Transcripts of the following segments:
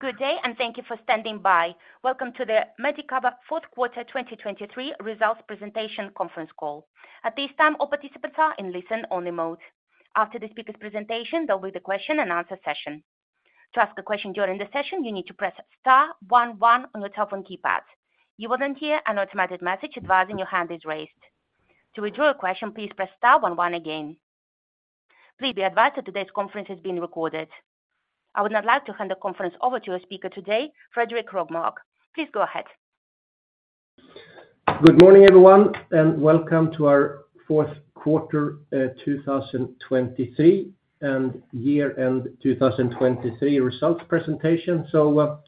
Good day, and thank you for standing by. Welcome to the Medicover Fourth Quarter 2023 Results Presentation conference call. At this time, all participants are in listen-only mode. After the speaker's presentation, there'll be the question and answer session. To ask a question during the session, you need to press star one one on your telephone keypad. You will then hear an automatic message advising your hand is raised. To withdraw a question, please press star one one again. Please be advised that today's conference is being recorded. I would now like to hand the conference over to our speaker today, Fredrik Rågmark. Please go ahead. Good morning, everyone, and welcome to our fourth quarter 2023 and year-end 2023 results presentation. So,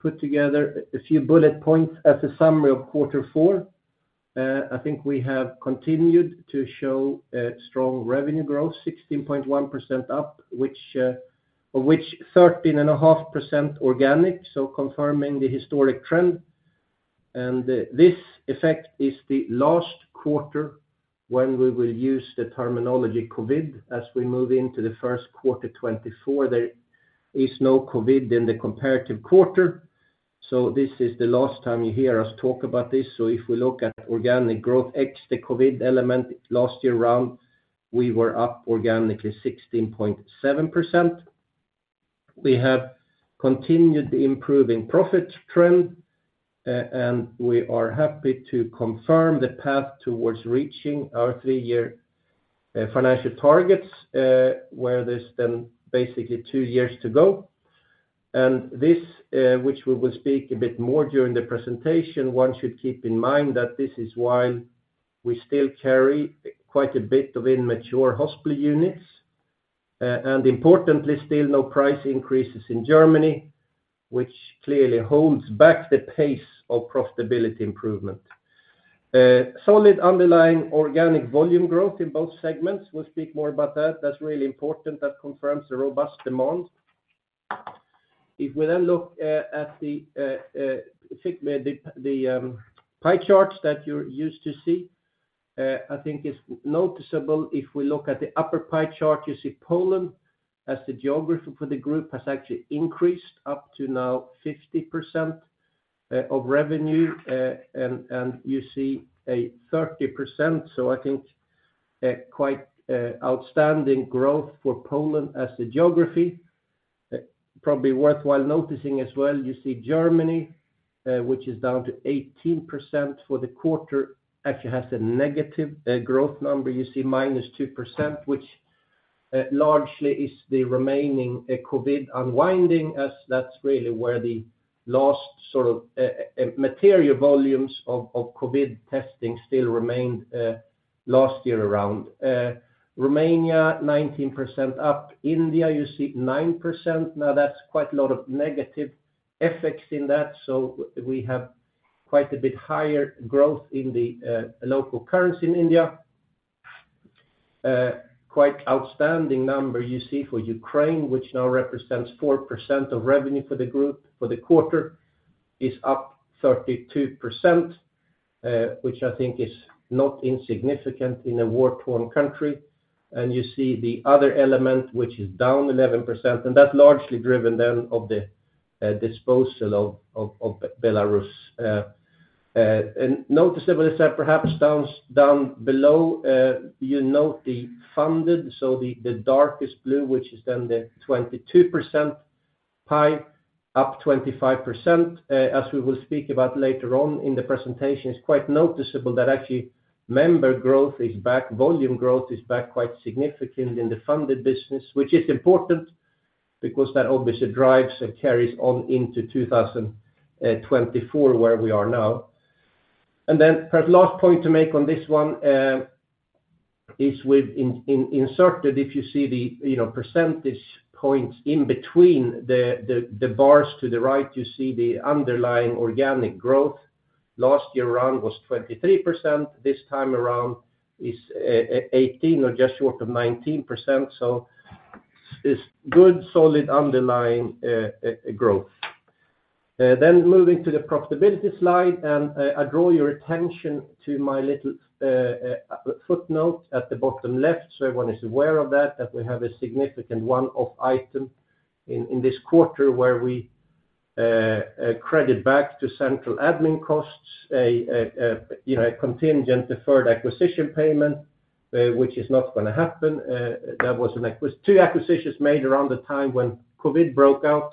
put together a few bullet points as a summary of quarter four. I think we have continued to show strong revenue growth, 16.1% up, which of which 13.5% organic, so confirming the historic trend. This effect is the last quarter when we will use the terminology COVID as we move into the first quarter 2024. There is no COVID in the comparative quarter, so this is the last time you hear us talk about this. If we look at organic growth, ex the COVID element, last year round, we were up organically 16.7%. We have continued the improving profit trend, and we are happy to confirm the path towards reaching our three-year financial targets, where there's then basically two years to go. And this, which we will speak a bit more during the presentation, one should keep in mind that this is while we still carry quite a bit of immature hospital units, and importantly, still no price increases in Germany, which clearly holds back the pace of profitability improvement. Solid underlying organic volume growth in both segments. We'll speak more about that. That's really important, that confirms a robust demand. If we then look at the pie charts that you're used to see, I think it's noticeable if we look at the upper pie chart, you see Poland, as the geography for the group, has actually increased up to now 50% of revenue, and you see a 30%. So I think quite outstanding growth for Poland as a geography. Probably worthwhile noticing as well, you see Germany, which is down to 18% for the quarter, actually has a negative growth number. You see -2%, which largely is the remaining COVID unwinding, as that's really where the last sort of material volumes of COVID testing still remained last year around. Romania, 19% up. India, you see 9%. Now, that's quite a lot of negative effects in that, so we have quite a bit higher growth in the local currency in India. Quite outstanding number you see for Ukraine, which now represents 4% of revenue for the group, for the quarter, is up 32%, which I think is not insignificant in a war-torn country. And you see the other element, which is down 11%, and that's largely driven then of the disposal of Belarus. And noticeable is that perhaps down below, you note the funded, so the darkest blue, which is then the 22% pie, up 25%. As we will speak about later on in the presentation, it's quite noticeable that actually member growth is back, volume growth is back quite significantly in the funded business, which is important because that obviously drives and carries on into 2024, where we are now. And then perhaps last point to make on this one, is we've inserted, if you see the, you know, percentage points in between the bars to the right, you see the underlying organic growth. Last year around was 23%. This time around is 18 or just short of 19%. So it's good, solid, underlying growth. Then moving to the profitability slide, and I draw your attention to my little footnote at the bottom left, so everyone is aware of that, that we have a significant one-off item in this quarter, where we credit back to central admin costs, you know, a contingent deferred acquisition payment, which is not gonna happen. That was two acquisitions made around the time when COVID broke out,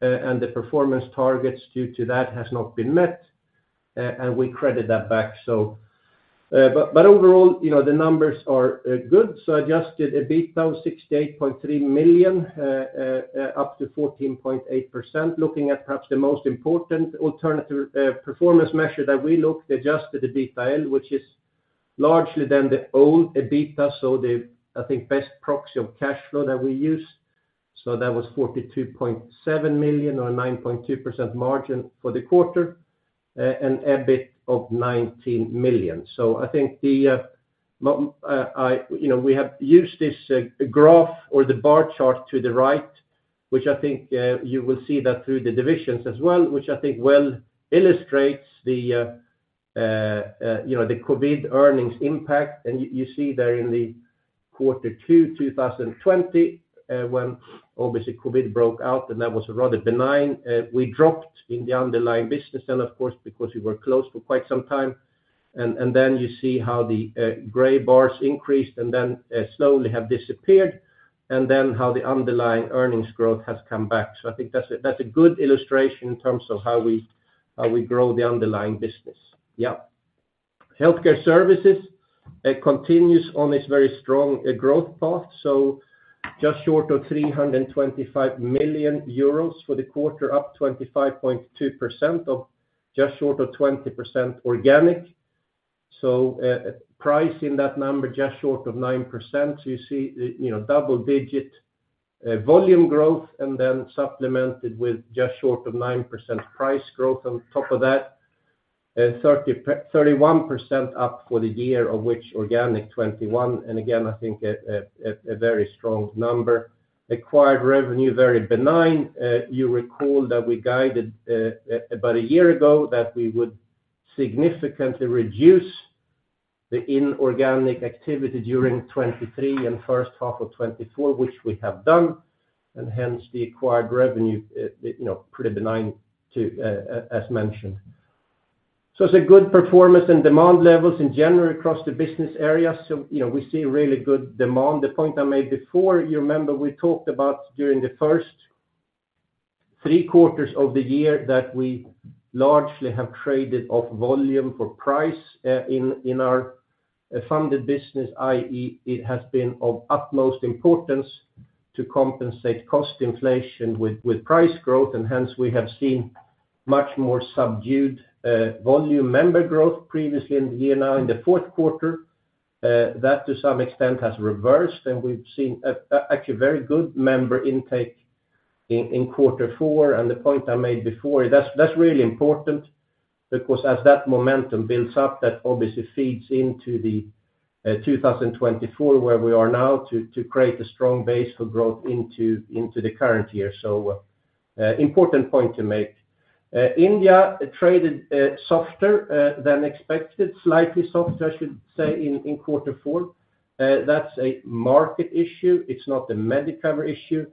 and the performance targets due to that has not been met, and we credit that back. So, but overall, you know, the numbers are good. So Adjusted EBITDA, 68.3 million, up to 14.8%. Looking at perhaps the most important alternative performance measure that we looked, Adjusted EBITDA, which is largely then the old EBITDA, so the, I think, best proxy of cash flow that we use. So that was 42.7 million, or a 9.2% margin for the quarter, and EBIT of 19 million. So I think the, I, you know, we have used this graph or the bar chart to the right, which I think you will see that through the divisions as well, which I think well illustrates the, you know, the COVID earnings impact. And you, you see there in the quarter two 2020, when obviously COVID broke out, and that was rather benign. We dropped in the underlying business then, of course, because we were closed for quite some time. Then you see how the gray bars increased and then slowly have disappeared, and then how the underlying earnings growth has come back. So I think that's a good illustration in terms of how we grow the underlying business. Yeah. Healthcare Services, it continues on this very strong growth path, so just short of 325 million euros for the quarter, up 25.2% of just short of 20% organic. So price in that number, just short of 9%. You see, you know, double-digit volume growth and then supplemented with just short of 9% price growth on top of that. 31% up for the year, of which organic 21, and again, I think a very strong number. Acquired revenue, very benign. You recall that we guided about a year ago that we would significantly reduce the inorganic activity during 2023 and first half of 2024, which we have done, and hence the acquired revenue, you know, pretty benign to, as mentioned. So it's a good performance and demand levels in general across the business areas. So, you know, we see really good demand. The point I made before, you remember we talked about during the first three quarters of the year, that we largely have traded off volume for price, in our funded business, i.e., it has been of utmost importance to compensate cost inflation with price growth, and hence we have seen much more subdued volume member growth previously in the year. Now, in the fourth quarter, that to some extent has reversed, and we've seen actually very good member intake in quarter four. And the point I made before, that's really important because as that momentum builds up, that obviously feeds into the 2024, where we are now, to create a strong base for growth into the current year. So, important point to make. India traded softer than expected, slightly softer, I should say, in quarter four. That's a market issue. It's not a Medicover issue.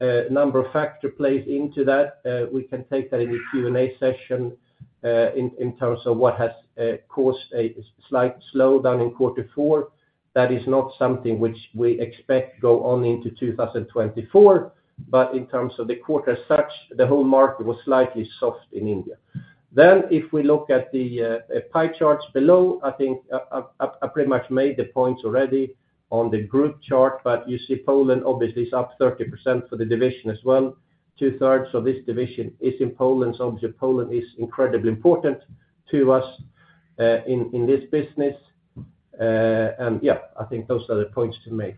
A number of factor plays into that. We can take that in the Q&A session, in terms of what has caused a slight slowdown in quarter four. That is not something which we expect go on into 2024. But in terms of the quarter as such, the whole market was slightly soft in India. Then, if we look at the pie charts below, I think I pretty much made the points already on the group chart, but you see Poland obviously is up 30% for the division as well. Two thirds of this division is in Poland, so Poland is incredibly important to us in this business. And yeah, I think those are the points to make.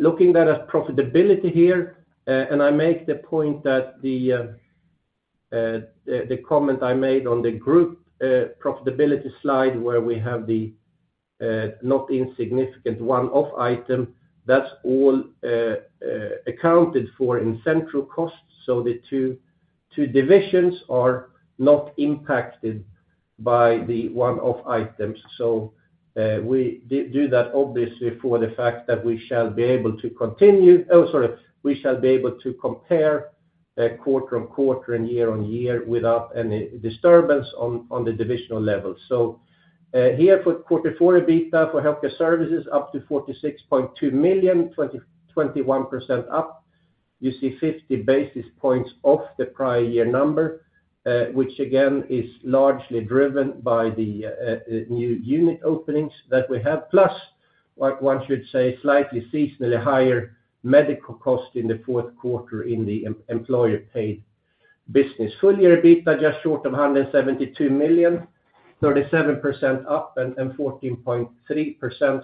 Looking then at profitability here, and I make the point that the comment I made on the group profitability slide, where we have the not insignificant one-off item, that's all accounted for in central costs. So the two divisions are not impacted by the one-off items. So, we do that obviously for the fact that we shall be able to continue... Oh, sorry. We shall be able to compare quarter on quarter and year on year without any disturbance on the divisional level. So, here for quarter four, EBITDA for Healthcare Services up to 46.2 million, 21% up. You see 50 basis points off the prior year number, which again, is largely driven by the new unit openings that we have. Plus, like one should say, slightly seasonally higher medical cost in the fourth quarter in the employer paid business. Full-year EBITDA, just short of 172 million, 37% up and 14.3%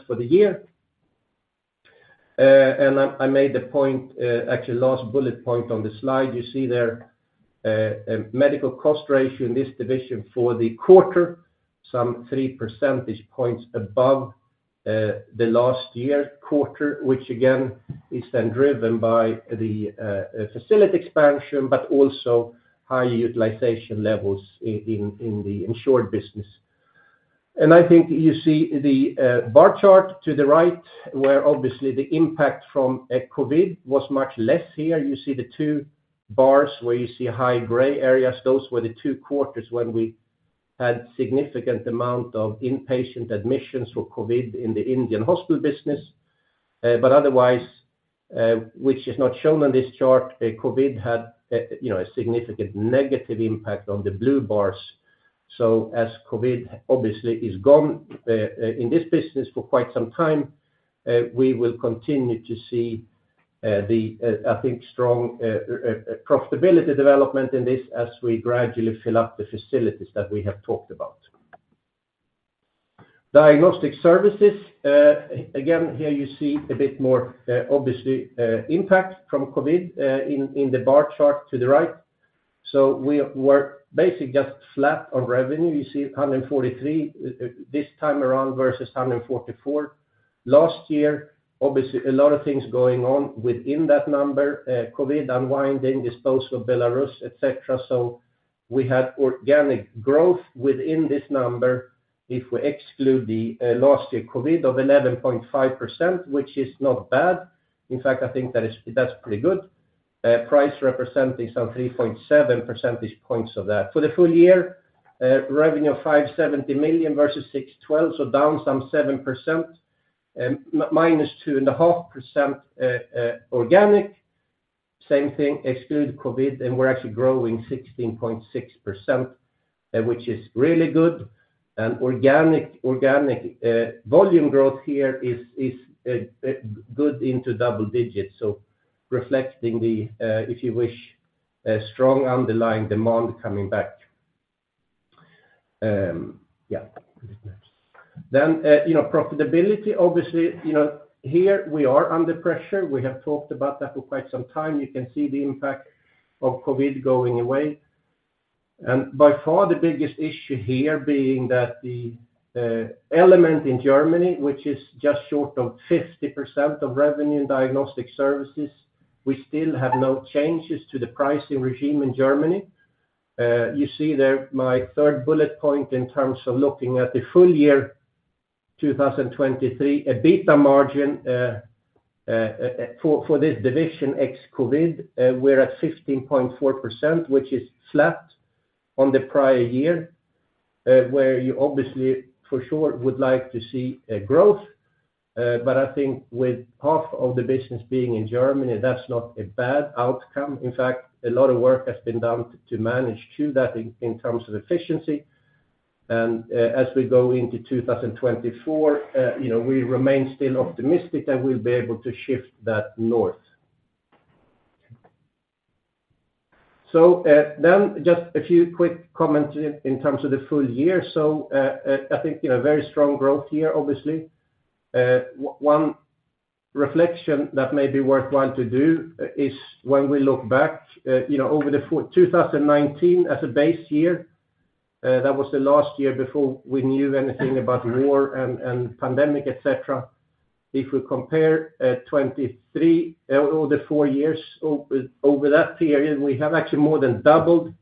for the year. And I made the point, actually last bullet point on the slide, you see there, Medical Cost Ratio in this division for the quarter, some three percentage points above, the last year quarter, which again, is then driven by the, facility expansion, but also high utilization levels in, in the insured business. And I think you see the, bar chart to the right, where obviously the impact from, COVID was much less here. You see the two bars where you see high gray areas. Those were the two quarters when we had significant amount of inpatient admissions for COVID in the Indian hospital business. But otherwise, which is not shown on this chart, COVID had, you know, a significant negative impact on the blue bars. So as COVID obviously is gone in this business for quite some time, we will continue to see the, I think, strong profitability development in this as we gradually fill up the facilities that we have talked about. Diagnostic Services, again, here you see a bit more obviously impact from COVID in the bar chart to the right. So we were basically just flat on revenue. You see 143 this time around versus 144. Last year, obviously, a lot of things going on within that number, COVID unwinding, disposal of Belarus, et cetera. We had organic growth within this number. If we exclude the last year COVID of 11.5%, which is not bad. In fact, I think that is, that's pretty good. Price representing some 3.7 percentage points of that. For the full year, revenue 570 million versus 612 million, so down some 7%, minus 2.5% organic. Same thing, exclude COVID, and we're actually growing 16.6%, which is really good. And organic volume growth here is good into double digits. So reflecting the, if you wish, a strong underlying demand coming back. Yeah. Then, you know, profitability, obviously, you know, here we are under pressure. We have talked about that for quite some time. You can see the impact of COVID going away. By far, the biggest issue here being that the element in Germany, which is just short of 50% of revenue in Diagnostic Services, we still have no changes to the pricing regime in Germany. You see there, my third bullet point in terms of looking at the full year 2023, EBITDA margin for this division ex-COVID, we're at 15.4%, which is flat on the prior year, where you obviously, for sure, would like to see a growth. But I think with half of the business being in Germany, that's not a bad outcome. In fact, a lot of work has been done to manage to that in terms of efficiency. As we go into 2024, you know, we remain still optimistic that we'll be able to shift that north. I think, you know, very strong growth here, obviously. One reflection that may be worthwhile to do is when we look back, you know, over 2019 as a base year, that was the last year before we knew anything about war and pandemic, et cetera. If we compare 2023 over the four years, over that period, we have actually more than doubled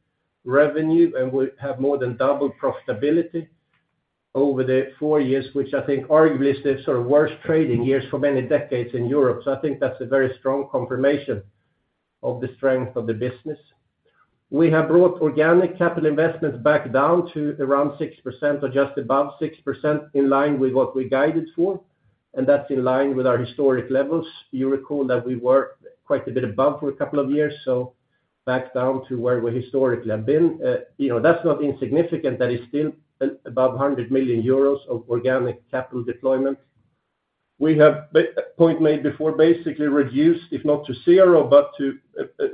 revenue, and we have more than doubled profitability over the four years, which I think arguably is the sort of worst trading years for many decades in Europe. So I think that's a very strong confirmation of the strength of the business. We have brought organic capital investments back down to around 6% or just above 6% in line with what we guided for, and that's in line with our historic levels. You recall that we were quite a bit above for a couple of years, so back down to where we historically have been. You know, that's not insignificant, that is still above 100 million euros of organic capital deployment. We have, a point made before, basically reduced, if not to zero, but to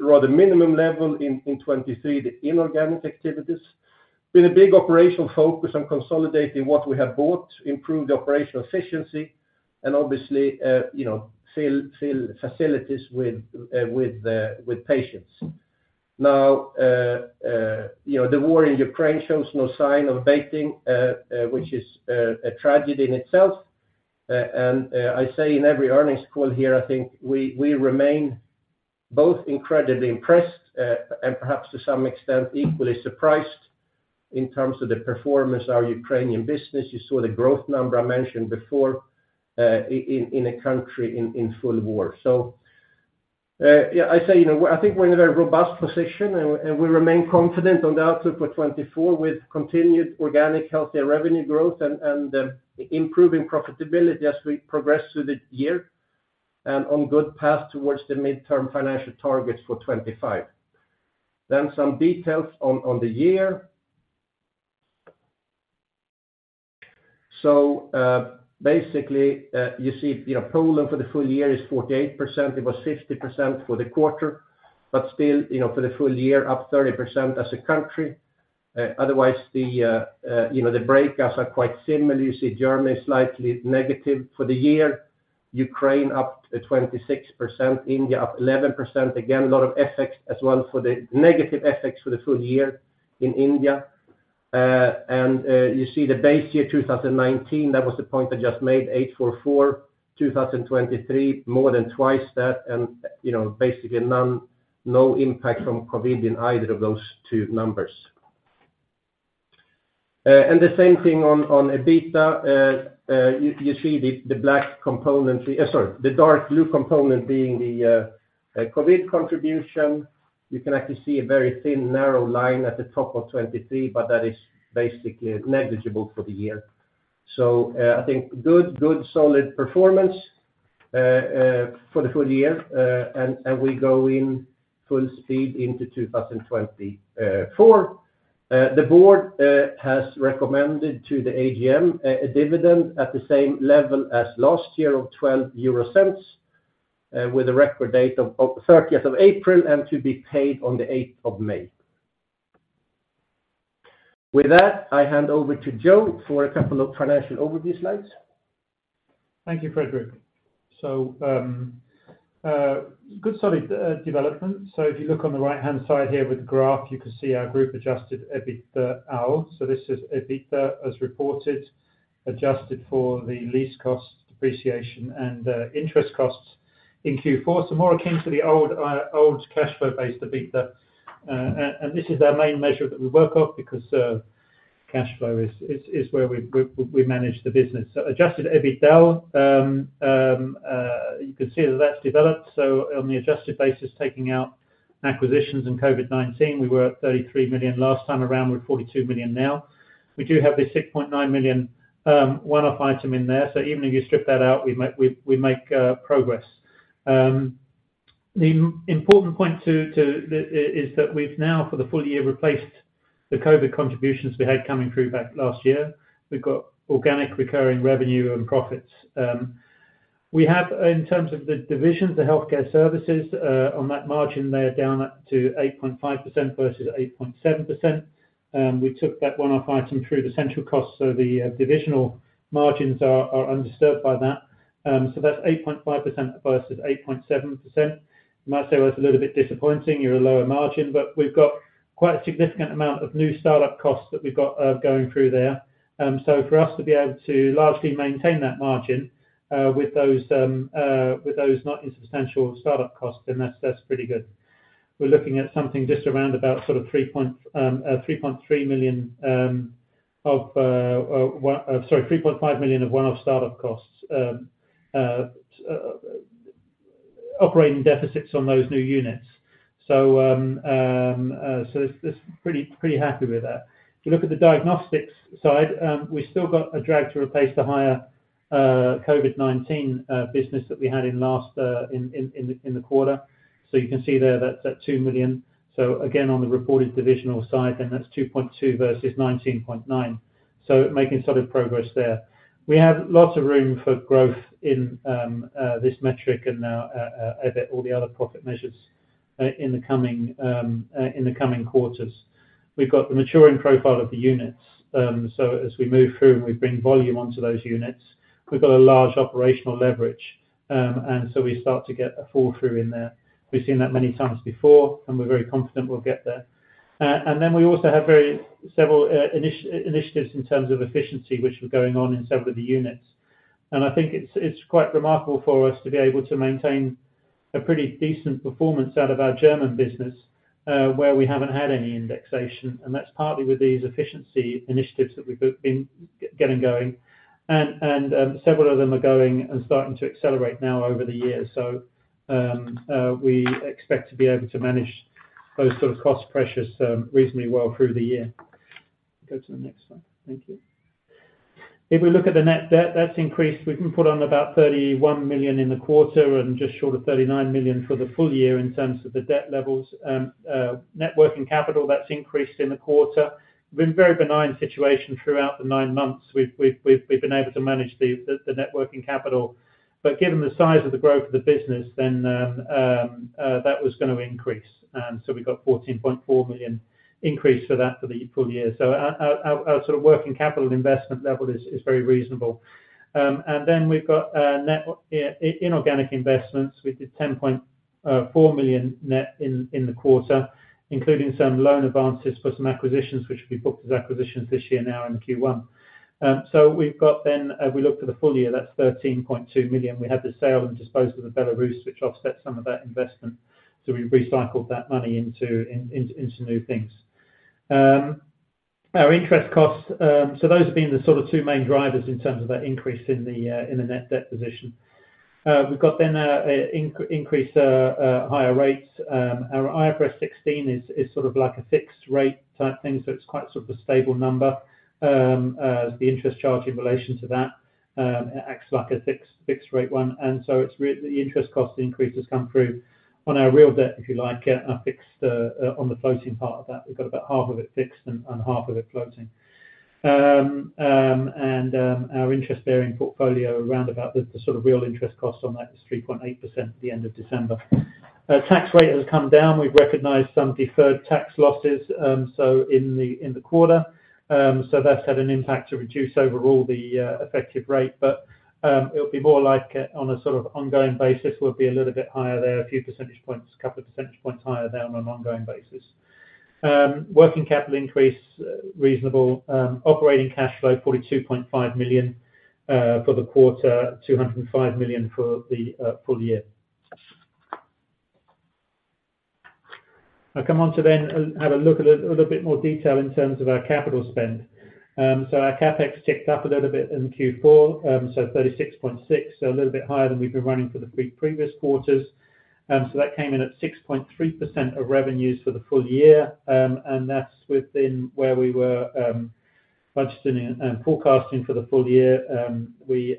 rather minimum level in 2023, the inorganic activities. Been a big operational focus on consolidating what we have bought, improve the operational efficiency, and obviously, you know, fill facilities with the patients. Now, you know, the war in Ukraine shows no sign of abating, which is a tragedy in itself. And, I say in every earnings call here, I think we remain both incredibly impressed, and perhaps to some extent, equally surprised in terms of the performance of our Ukrainian business. You saw the growth number I mentioned before, in a country in full war. So, yeah, I say, you know, I think we're in a very robust position and we remain confident on the outlook for 2024, with continued organic, healthier revenue growth and improving profitability as we progress through the year, and on good path towards the midterm financial targets for 2025. Then some details on the year. So, basically, you see, you know, Poland for the full year is 48%. It was 50% for the quarter, but still, you know, for the full year, up 30% as a country. Otherwise, you know, the breakouts are quite similar. You see, Germany is slightly negative for the year. Ukraine up 26%, India up 11%. Again, a lot of effects as well for the negative effects for the full year in India. And, you see, the base year, 2019, that was the point I just made, 844, 2023, more than twice that, and, you know, basically none, no impact from COVID in either of those two numbers. And the same thing on EBITDA, you see the black component, sorry, the dark blue component being the COVID contribution. You can actually see a very thin, narrow line at the top of 2023, but that is basically negligible for the year. So, I think good, good, solid performance for the full year, and we go in full speed into 2024. The board has recommended to the AGM a dividend at the same level as last year of 0.12, with a record date of thirtieth of April, and to be paid on the eighth of May. With that, I hand over to Joe for a couple of financial overview slides. Thank you, Fredrik. So, good solid development. So if you look on the right-hand side here with the graph, you can see our group adjusted EBITDAaL. So this is EBITDA as reported, adjusted for the lease cost, depreciation, and interest costs in Q4, so more akin to the old cash flow based EBITDA. And this is our main measure that we work off because cash flow is where we manage the business. So adjusted EBITDA, you can see that that's developed. So on the adjusted basis, taking out acquisitions in COVID-19, we were at 33 million last time around, we're at 42 million now. We do have this 6.9 million one-off item in there, so even if you strip that out, we make progress. The most important point is that we've now, for the full year, replaced the COVID contributions we had coming through back last year. We've got organic recurring revenue and profits. We have, in terms of the divisions, the Healthcare Services, on that margin, they are down to 8.5% versus 8.7%. We took that one-off item through the central costs, so the divisional margins are undisturbed by that. So that's 8.5% versus 8.7%. You might say, well, it's a little bit disappointing, you're a lower margin, but we've got quite a significant amount of new startup costs that we've got going through there. So for us to be able to largely maintain that margin, with those not insubstantial startup costs, then that's pretty good. We're looking at something just around about sort of 3.3 million, of, sorry, 3.5 million of one-off startup costs, operating deficits on those new units. So, so it's pretty happy with that. If you look at the diagnostics side, we've still got a drag to replace the higher COVID-19 business that we had in the last quarter. So you can see there, that's at 2 million. So again, on the reported divisional side, then that's 2.2 versus 19.9. So making solid progress there. We have lots of room for growth in this metric and all the other profit measures in the coming quarters. We've got the maturing profile of the units, so as we move through and we bring volume onto those units, we've got a large operational leverage, and so we start to get a fall through in there. We've seen that many times before, and we're very confident we'll get there. And then we also have very several initiatives in terms of efficiency, which were going on in several of the units. And I think it's quite remarkable for us to be able to maintain a pretty decent performance out of our German business, where we haven't had any indexation, and that's partly with these efficiency initiatives that we've been getting going. Several of them are going and starting to accelerate now over the year. So, we expect to be able to manage those sort of cost pressures, reasonably well through the year. Go to the next one. Thank you. If we look at the net debt, that's increased. We've been put on about 31 million in the quarter and just short of 39 million for the full year in terms of the debt levels. Net working capital, that's increased in the quarter. Been a very benign situation throughout the nine months. We've been able to manage the net working capital. But given the size of the growth of the business, then, that was gonna increase, so we got 14.4 million increase for that for the full year. Our sort of working capital investment level is very reasonable. Then we've got net inorganic investments, with the 10.4 million net in the quarter, including some loan advances for some acquisitions, which will be booked as acquisitions this year now in Q1. We've got then, as we look to the full year, that's 13.2 million. We had the sale and disposal of Belarus, which offset some of that investment, so we recycled that money into new things. Our interest costs, so those have been the sort of two main drivers in terms of that increase in the net debt position. We've got then increase higher rates. Our IFRS 16 is sort of like a fixed rate type thing, so it's quite sort of a stable number. The interest charge in relation to that acts like a fixed rate one, and so the interest cost increases come through on our real debt, if you like, on the floating part of that. We've got about half of it fixed and half of it floating. Our interest bearing portfolio around about the sort of real interest cost on that is 3.8% at the end of December. Tax rate has come down. We've recognized some deferred tax losses, so in the quarter, so that's had an impact to reduce overall the effective rate. But it'll be more like on a sort of ongoing basis, we'll be a little bit higher there, a few percentage points, a couple of percentage points higher than on an ongoing basis. Working capital increase, reasonable. Operating cash flow, 42.5 million for the quarter, 205 million for the full year. I'll come on to then have a look at a little bit more detail in terms of our capital spend. So our CapEx ticked up a little bit in Q4, so 36.6 million, so a little bit higher than we've been running for the previous quarters. So that came in at 6.3% of revenues for the full year, and that's within where we were budgeting and forecasting for the full year. We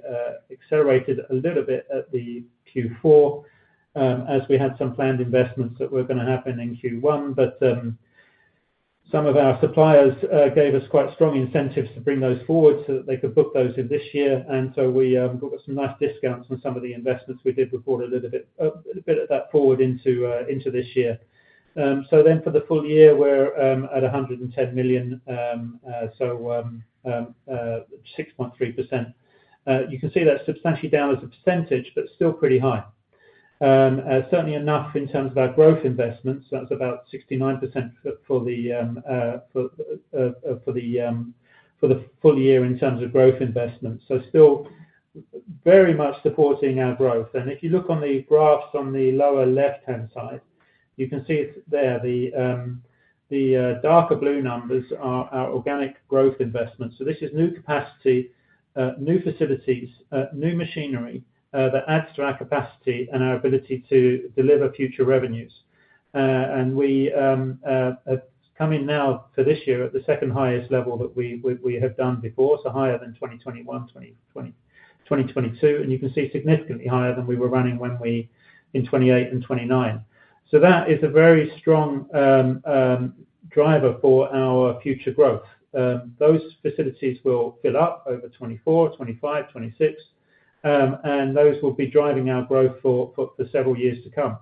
accelerated a little bit at the Q4, as we had some planned investments that were gonna happen in Q1, but some of our suppliers gave us quite strong incentives to bring those forward so that they could book those in this year. And so we got some nice discounts on some of the investments we did report a little bit, a bit of that forward into this year. So then for the full year, we're at 110 million, so 6.3%. You can see that's substantially down as a percentage, but still pretty high. Certainly enough in terms of our growth investments, that's about 69% for the full year in terms of growth investments. So still very much supporting our growth. And if you look on the graphs on the lower left-hand side... You can see it there, the darker blue numbers are our organic growth investments. So this is new capacity, new facilities, new machinery, that adds to our capacity and our ability to deliver future revenues. And we come in now for this year at the second highest level that we have done before, so higher than 2021, 2020, 2022, and you can see significantly higher than we were running when we in 2018 and 2019. So that is a very strong driver for our future growth. Those facilities will fill up over 2024, 2025, 2026, and those will be driving our growth for several years to come.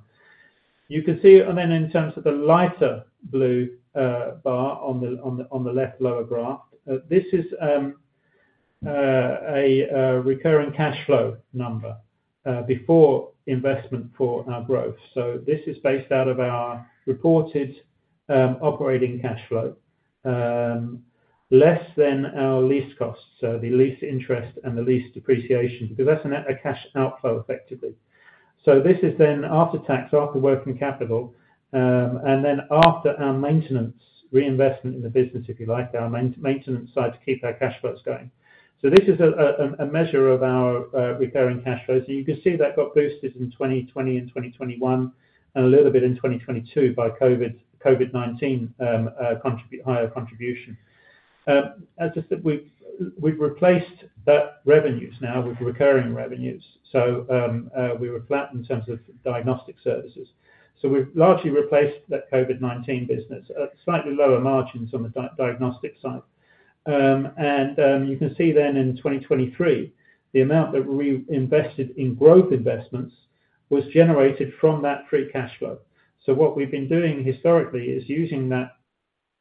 You can see, and then in terms of the lighter blue bar on the left lower graph, this is a recurring cash flow number before investment for our growth. So this is based out of our reported operating cash flow less than our lease costs, so the lease interest and the lease depreciation, because that's a net cash outflow, effectively. So this is then after tax, after working capital, and then after our maintenance reinvestment in the business, if you like, our maintenance side to keep our cash flows going. So this is a measure of our recurring cash flows. So you can see that got boosted in 2020 and 2021, and a little bit in 2022 by COVID-19 higher contribution. As I said, we've replaced that revenues now with recurring revenues. So we were flat in terms of diagnostic services. So we've largely replaced that COVID-19 business at slightly lower margins on the diagnostic side. And you can see then in 2023, the amount that we invested in growth investments was generated from that free cash flow. So what we've been doing historically is using that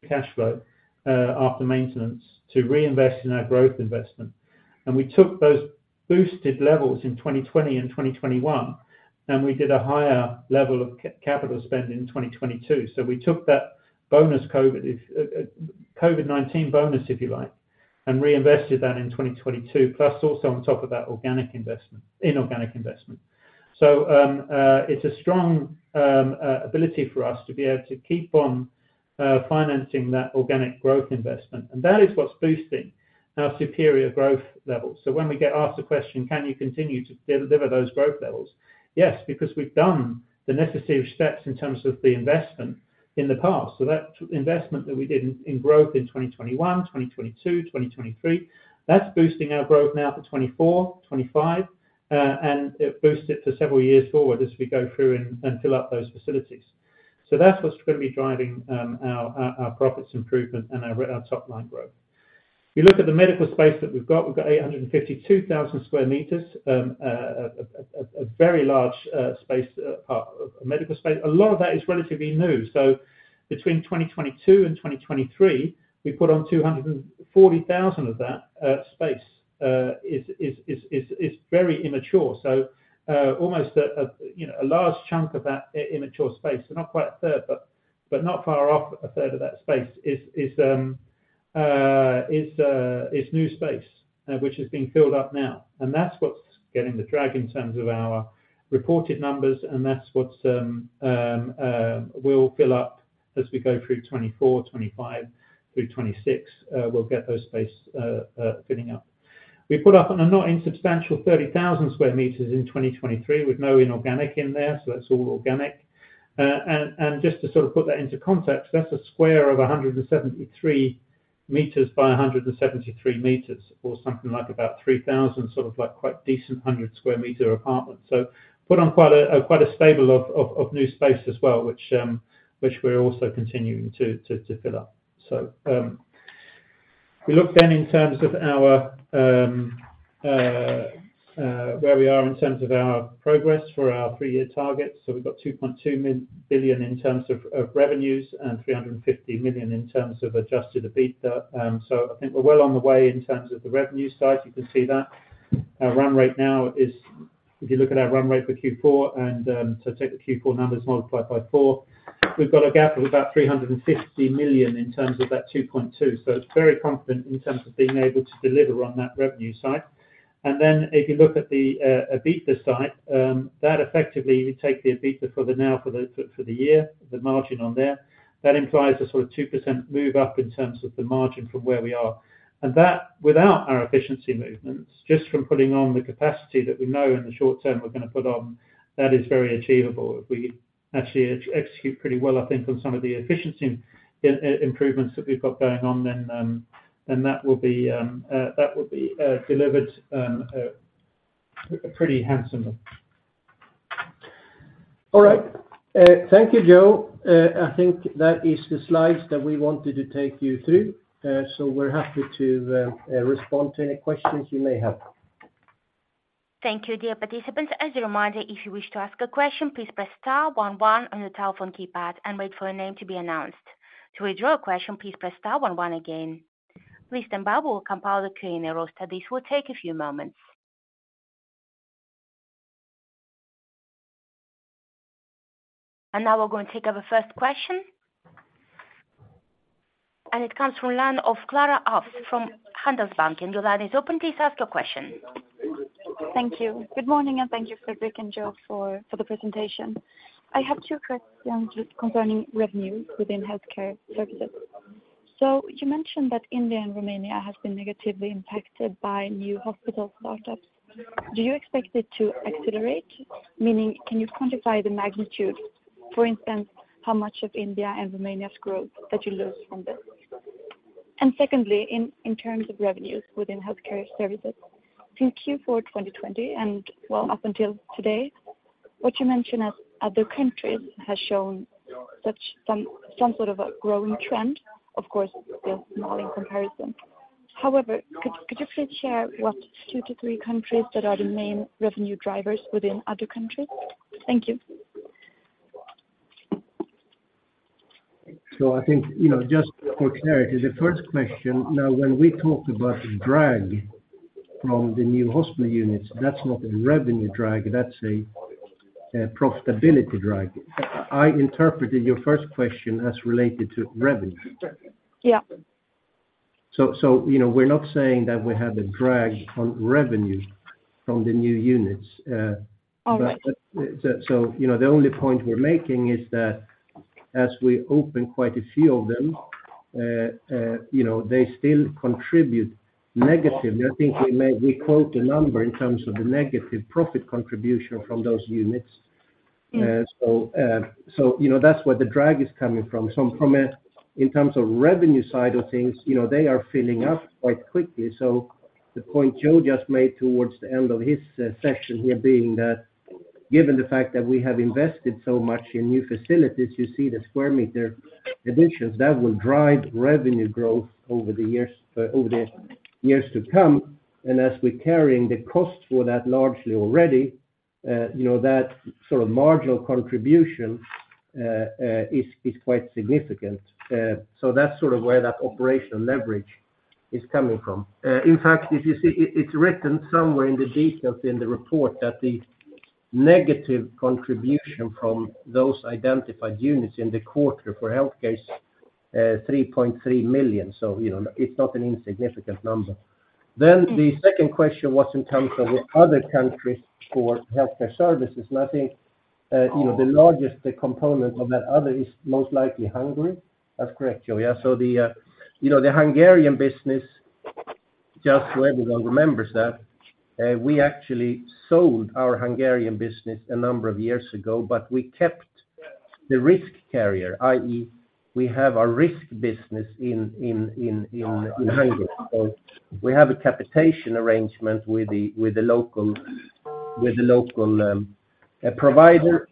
cash flow after maintenance to reinvest in our growth investment. And we took those boosted levels in 2020 and 2021, and we did a higher level of capital spend in 2022. So we took that bonus COVID-19 bonus, if you like, and reinvested that in 2022, plus also on top of that organic investment, inorganic investment. So it's a strong ability for us to be able to keep on financing that organic growth investment, and that is what's boosting our superior growth levels. So when we get asked the question: Can you continue to deliver those growth levels? Yes, because we've done the necessary steps in terms of the investment in the past. So that investment that we did in growth in 2021, 2022, 2023, that's boosting our growth now for 2024, 2025, and it boosts it for several years forward as we go through and fill up those facilities. So that's what's gonna be driving our profits improvement and our top line growth. You look at the medical space that we've got, we've got 852,000 square meters, a very large space, medical space. A lot of that is relatively new, so between 2022 and 2023, we put on 240,000 of that space, is very immature. So, almost a you know a large chunk of that immature space, so not quite a third, but not far off a third of that space is new space, which is being filled up now. And that's what's getting the drag in terms of our reported numbers, and that's what will fill up as we go through 2024, 2025, through 2026, we'll get those space filling up. We put up a not insubstantial 30,000 square meters in 2023 with no inorganic in there, so that's all organic. And just to sort of put that into context, that's a square of 173 meters by 173 meters, or something like about 3,000, sort of like quite decent 100 square meter apartment. So put on quite a stable of new space as well, which we're also continuing to fill up. So, we look then in terms of our where we are in terms of our progress for our three-year targets. So we've got 2.2 billion in terms of revenues and 350 million in terms of adjusted EBITDA. So I think we're well on the way in terms of the revenue side. You can see that our run rate now is, if you look at our run rate for Q4, and so take the Q4 numbers multiplied by four, we've got a gap of about 350 million in terms of that 2.2. So it's very confident in terms of being able to deliver on that revenue side. And then if you look at the EBITDA side, that effectively, you take the EBITDA for the year, the margin on there. That implies a sort of 2% move up in terms of the margin from where we are. And that, without our efficiency movements, just from putting on the capacity that we know in the short term we're gonna put on, that is very achievable. If we actually execute pretty well, I think, on some of the efficiency improvements that we've got going on, then that will be delivered pretty handsomely. All right. Thank you, Joe. I think that is the slides that we wanted to take you through, so we're happy to respond to any questions you may have. Thank you, dear participants. As a reminder, if you wish to ask a question, please press star one one on your telephone keypad and wait for your name to be announced. To withdraw a question, please press star one one again. Please stand by while we compile the Q&A roster. This will take a few moments. And now we're going to take our first question, and it comes from the line of Clara Arfs from Handelsbanken. Your line is open. Please ask your question. Thank you. Good morning, and thank you, Fredrik and Joe, for the presentation. I have two questions just concerning revenue within healthcare services. So you mentioned that India and Romania has been negatively impacted by new hospital startups. Do you expect it to accelerate? Meaning, can you quantify the magnitude, for instance, how much of India and Romania's growth that you lose from this? And secondly, in terms of revenues within healthcare services, in Q4 2020, and well, up until today, what you mention as other countries has shown some sort of a growing trend, of course, they're small in comparison. However, could you please share what two to three countries that are the main revenue drivers within other countries? Thank you. I think, you know, just for clarity, the first question, now, when we talked about drag from the new hospital units, that's not a revenue drag, that's a profitability drag. I interpreted your first question as related to revenue. Yeah. So, you know, we're not saying that we had a drag on revenue from the new units. All right. You know, the only point we're making is that as we open quite a few of them, you know, they still contribute negatively. We quote the number in terms of the negative profit contribution from those units. Yeah. So, you know, that's where the drag is coming from. So from a, in terms of revenue side of things, you know, they are filling up quite quickly. So the point Joe just made towards the end of his session here being that given the fact that we have invested so much in new facilities, you see the square meter additions, that will drive revenue growth over the years to come. And as we're carrying the cost for that largely already, you know, that sort of marginal contribution is quite significant. So that's sort of where that operational leverage is coming from. In fact, if you see, it's written somewhere in the details in the report that the negative contribution from those identified units in the quarter for healthcare is 3.3 million. You know, it's not an insignificant number. Okay. Then the second question was in terms of the other countries for healthcare services, and I think, you know, the largest component of that other is most likely Hungary. That's correct, Joe, yeah? So the, you know, the Hungarian business, just so everyone remembers that, we actually sold our Hungarian business a number of years ago, but we kept the risk carrier, i.e., we have a risk business in Hungary. So we have a capitation arrangement with the local provider.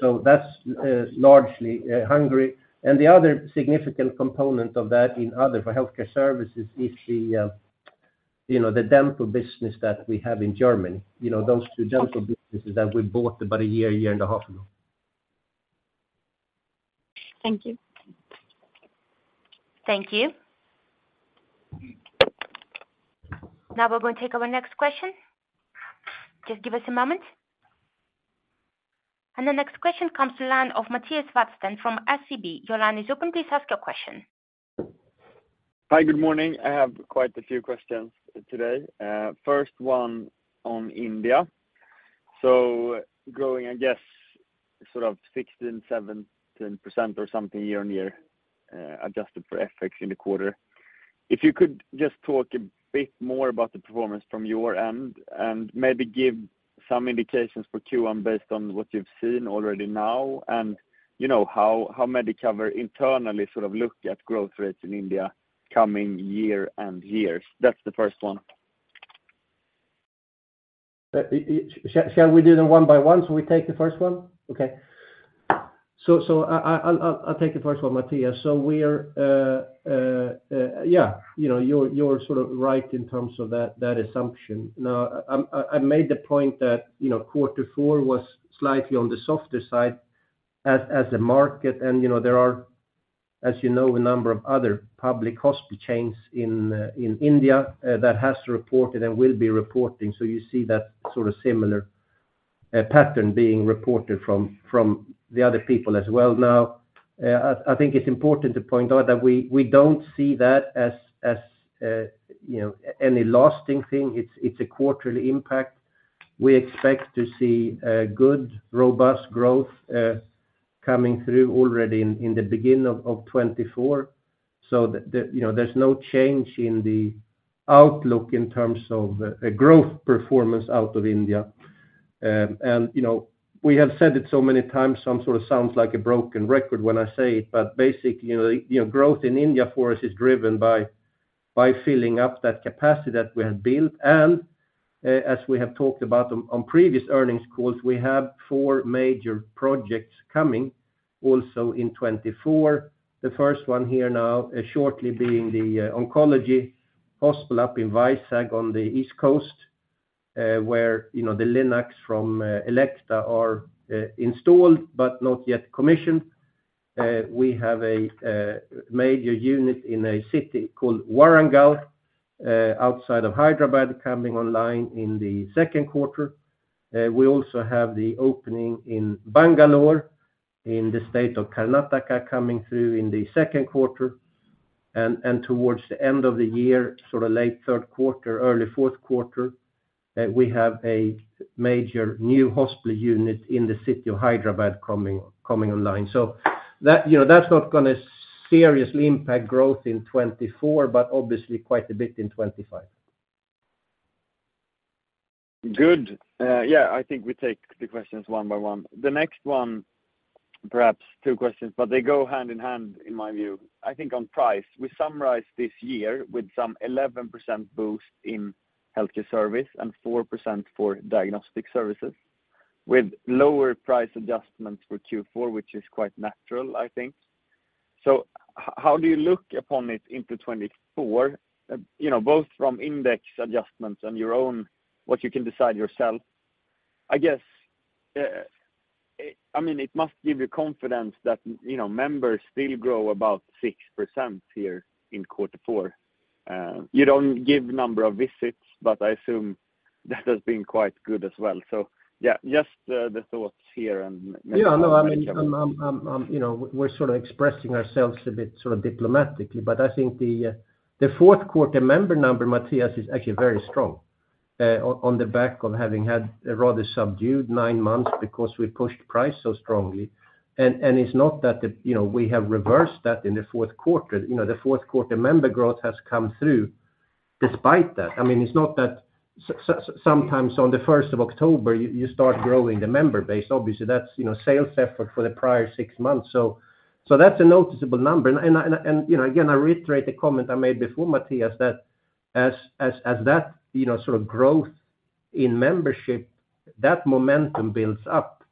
So that's largely Hungary. And the other significant component of that in other, for healthcare services is the, you know, the dental business that we have in Germany. You know, those two dental businesses that we bought about a year and a half ago. Thank you. Thank you. Now, we're going to take our next question. Just give us a moment. And the next question comes to line of Mattias Vadsten from SEB. Your line is open. Please ask your question. Hi, good morning. I have quite a few questions today. First one on India. So growing, I guess, sort of 16%-17% or something year-on-year, adjusted for FX in the quarter. If you could just talk a bit more about the performance from your end and maybe give some indications for Q1 based on what you've seen already now, and you know, how, how Medicover internally sort of looked at growth rates in India coming year and years. That's the first one. Shall we do them one by one, so we take the first one? Okay. So, I'll take the first one, Matthias. So we are, yeah, you know, you're sort of right in terms of that assumption. Now, I made the point that, you know, quarter four was slightly on the softer side as a market. You know, there are, as you know, a number of other public hospital chains in India that has reported and will be reporting. So you see that sort of similar pattern being reported from the other people as well. Now, I think it's important to point out that we don't see that as, you know, any lasting thing. It's a quarterly impact. We expect to see good robust growth coming through already in the beginning of 2024. So the you know there's no change in the outlook in terms of a growth performance out of India. And you know we have said it so many times some sort of sounds like a broken record when I say it but basically you know growth in India for us is driven by filling up that capacity that we have built. And as we have talked about on previous earnings calls we have 4 major projects coming also in 2024. The first one here now shortly being the oncology hospital up in Vizag on the East Coast where you know the LINACs from Elekta are installed but not yet commissioned. We have a major unit in a city called Warangal, outside of Hyderabad, coming online in the second quarter. We also have the opening in Bangalore, in the state of Karnataka, coming through in the second quarter, and towards the end of the year, sort of late third quarter, early fourth quarter, we have a major new hospital unit in the city of Hyderabad coming online. So that, you know, that's not gonna seriously impact growth in 2024, but obviously quite a bit in 2025. Good. Yeah, I think we take the questions one by one. The next one, perhaps two questions, but they go hand in hand in my view. I think on price, we summarized this year with some 11% boost in healthcare service and 4% for diagnostic services, with lower price adjustments for Q4, which is quite natural, I think. So how do you look upon it into 2024? You know, both from index adjustments and your own, what you can decide yourself. I guess, I mean, it must give you confidence that, you know, members still grow about 6% here in quarter four. You don't give number of visits, but I assume that has been quite good as well. So yeah, just the thoughts here and- Yeah, no, I mean, you know, we're sort of expressing ourselves a bit, sort of diplomatically, but I think the fourth quarter member number, Matthias, is actually very strong, on the back of having had a rather subdued nine months because we pushed price so strongly. And it's not that the, you know, we have reversed that in the fourth quarter. You know, the fourth quarter member growth has come through despite that. I mean, it's not that sometimes on the first of October, you start growing the member base. Obviously, that's, you know, sales effort for the prior six months. So that's a noticeable number. And you know, again, I reiterate the comment I made before, Matthias, that as that, you know, sort of growth in membership, that momentum builds up.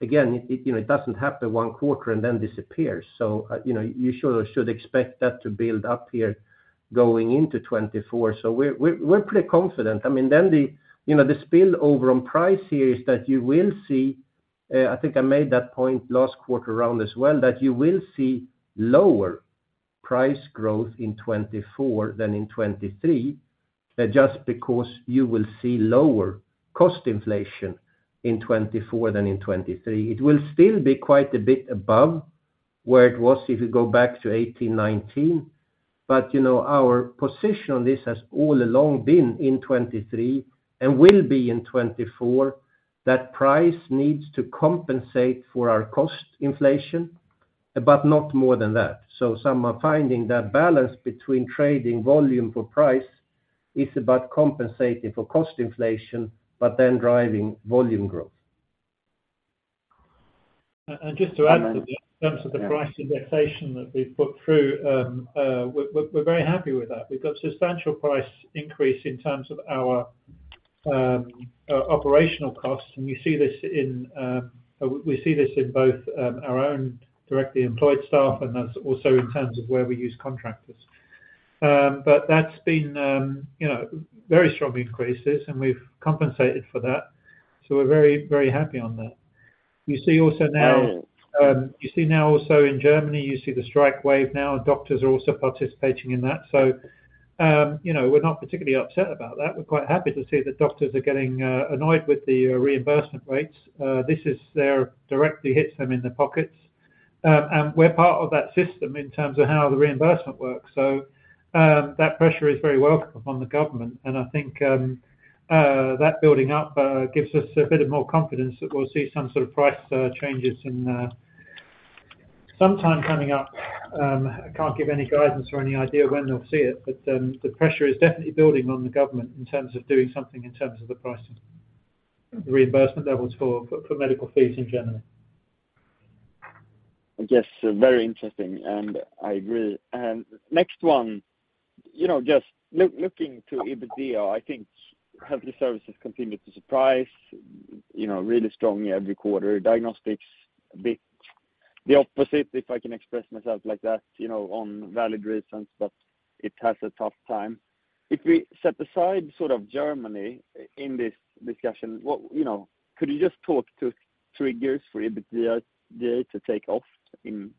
Again, it, you know, it doesn't happen one quarter and then disappears. So, you know, you should expect that to build up here going into 2024. So we're pretty confident. I mean, then the, you know, the spillover on price here is that you will see, I think I made that point last quarter round as well, that you will see lower price growth in 2024 than in 2023, just because you will see lower cost inflation in 2024 than in 2023. It will still be quite a bit above where it was if you go back to 2018, 2019. But, you know, our position on this has all along been in 2023 and will be in 2024, that price needs to compensate for our cost inflation, but not more than that. Some are finding that balance between trading volume for price is about compensating for cost inflation, but then driving volume growth. And just to add to the terms of the price indexation that we've put through, we're very happy with that. We've got substantial price increase in terms of our operational costs, and we see this in both our own directly employed staff, and that's also in terms of where we use contractors. But that's been, you know, very strong increases, and we've compensated for that. So we're very, very happy on that. You see now also in Germany, you see the strike wave now, doctors are also participating in that. So, you know, we're not particularly upset about that. We're quite happy to see that doctors are getting annoyed with the reimbursement rates. This directly hits them in their pockets. We're part of that system in terms of how the reimbursement works. That pressure is very welcome upon the government, and I think that building up gives us a bit of more confidence that we'll see some sort of price changes in sometime coming up. I can't give any guidance or any idea when they'll see it, but the pressure is definitely building on the government in terms of doing something in terms of the prices, reimbursement levels for medical fees in Germany. Yes, very interesting, and I agree. And next one, you know, just looking to EBITDA, I think health services continue to surprise, you know, really strongly every quarter. Diagnostics, a bit the opposite, if I can express myself like that, you know, on valid reasons, but it has a tough time. If we set aside sort of Germany in this discussion, what, you know, could you just talk to triggers for EBITDA to take off in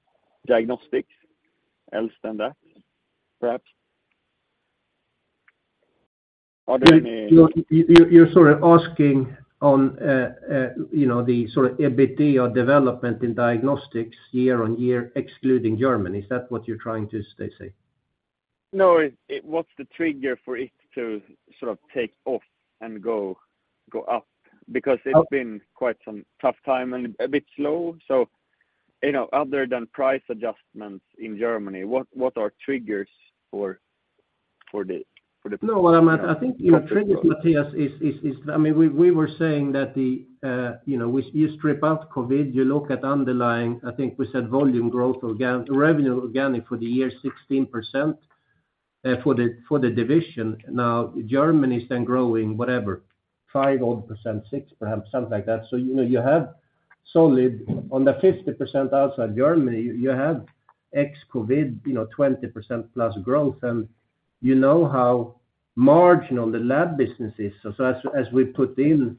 diagnostics, else than that, perhaps? Are there any- You, you're sort of asking on, you know, the sort of EBITDA development in diagnostics year-over-year, excluding Germany. Is that what you're trying to say? No, what's the trigger for it to sort of take off and go up? Because it's been quite some tough time and a bit slow. So, you know, other than price adjustments in Germany, what are triggers for the- No, what I'm at, I think, you know, triggers, Matthias, is, I mean, we were saying that the, you know, you strip out COVID, you look at underlying, I think we said volume growth organic, revenue organic for the year 16%, for the division. Now, Germany is then growing, whatever, 5% odd, 6% perhaps, something like that. So, you know, you have solid on the 50% outside Germany, you have ex-COVID, you know, 20% plus growth, and you know how marginal the lab business is. So as we put in,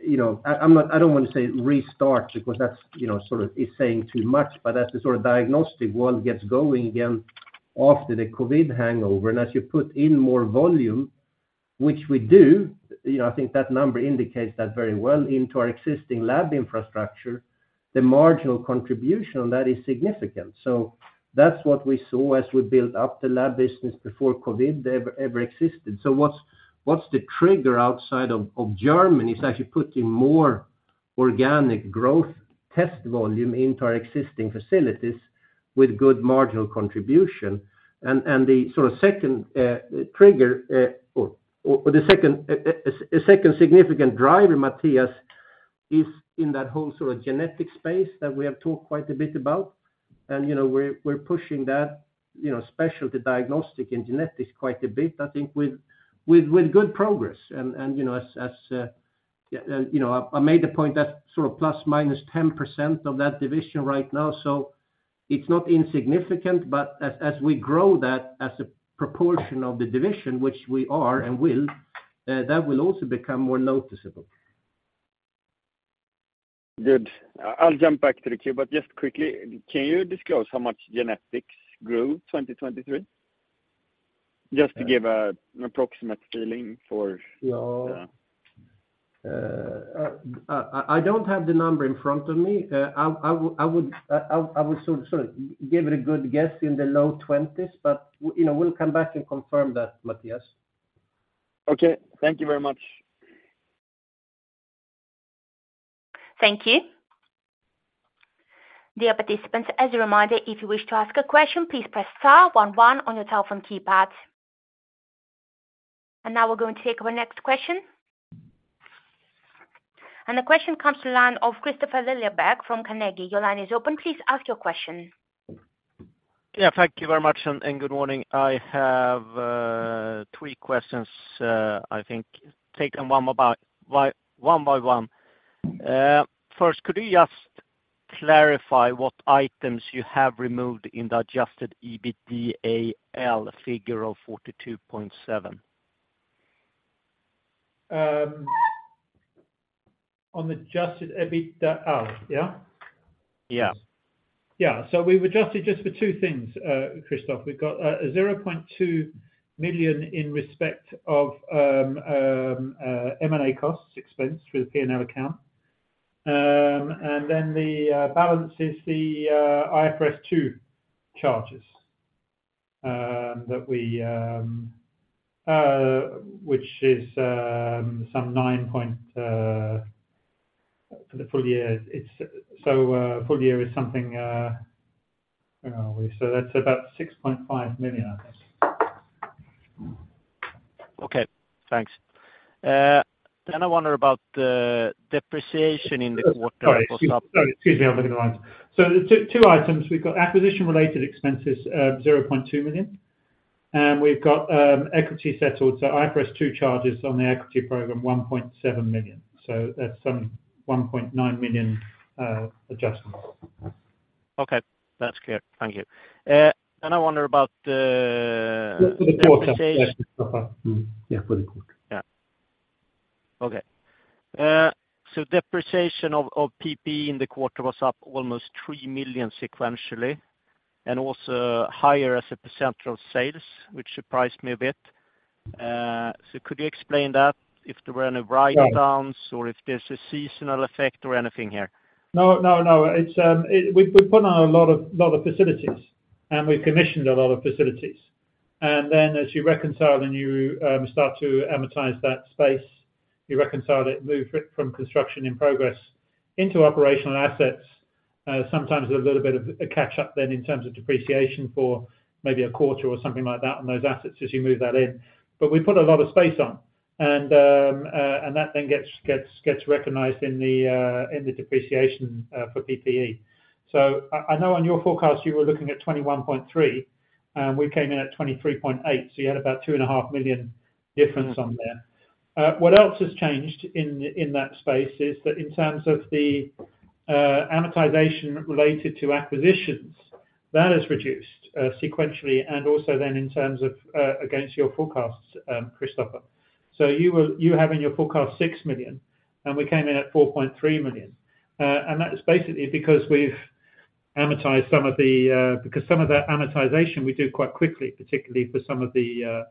you know, I, I'm, not I don't want to say restart, because that's, you know, sort of is saying too much. But as the sort of diagnostic world gets going again after the COVID hangover, and as you put in more volume, which we do, you know, I think that number indicates that very well into our existing lab infrastructure, the marginal contribution on that is significant. So that's what we saw as we built up the lab business before COVID ever existed. So what's the trigger outside of Germany is actually putting more organic growth test volume into our existing facilities with good marginal contribution. And the sort of second trigger or a second significant driver, Matthias, is in that whole sort of genetic space that we have talked quite a bit about. And, you know, we're pushing that, you know, specialty diagnostic and genetics quite a bit, I think with good progress. You know, yeah, and you know, I made the point that sort of ±10% of that division right now, so it's not insignificant, but as we grow that as a proportion of the division, which we are and will, that will also become more noticeable. Good. I'll jump back to the queue, but just quickly, can you disclose how much genetics grew 2023? Just to give a, an approximate feeling for. Yeah. I don't have the number in front of me. I would sort of give it a good guess in the low 20s, but, you know, we'll come back and confirm that, Matthias. Okay. Thank you very much. Thank you. Dear participants, as a reminder, if you wish to ask a question, please press star one one on your telephone keypad. Now we're going to take our next question. The question comes to the line of Kristofer Liljeberg from Carnegie. Your line is open. Please ask your question. Yeah, thank you very much, and, and good morning. I have three questions, I think, taken one by one. First, could you just clarify what items you have removed in the adjusted EBITDAaL figure of 42.7? On adjusted EBITDAaL, yeah? Yeah. Yeah. So we've adjusted just for two things, Kristoffer. We've got 0.2 million in respect of M&A costs expense through the P&L account. And then the balance is the IFRS 2 charges that we which is some 9.4 for the full year. It's so full year is something. Where are we? So that's about 6.5 million, I think. Okay, thanks. Then I wonder about the depreciation in the quarter. Sorry. Excuse me, I'm looking at the lines. So the two, two items, we've got acquisition-related expenses, 0.2 million, and we've got, equity settled. So IFRS 2 charges on the equity program, 1.7 million. So that's some 1.9 million, adjustment. Okay. That's clear. Thank you. And I wonder about the. The quarter. Yeah, for the quarter. Yeah. Okay. So depreciation of, of PPE in the quarter was up almost 3 million sequentially, and also higher as a % of sales, which surprised me a bit. So could you explain that, if there were any write-downs. Yeah or if there's a seasonal effect or anything here? No, no, no. It's, it we've put on a lot of facilities, and we've commissioned a lot of facilities. And then as you reconcile and you start to amortize that space, you reconcile it, move it from construction in progress into operational assets, sometimes there's a little bit of a catch up then in terms of depreciation for maybe a quarter or something like that on those assets as you move that in. But we put a lot of space on, and that then gets recognized in the depreciation for PPE. So I know on your forecast, you were looking at 21.3 million, and we came in at 23.8 million, so you had about 2.5 million difference on there. What else has changed in that space is that in terms of the amortization related to acquisitions, that has reduced sequentially, and also then in terms of against your forecasts, Kristoffer. So you were, you have in your forecast 6 million, and we came in at 4.3 million. And that is basically because we've amortized some of that amortization we do quite quickly, particularly for some of the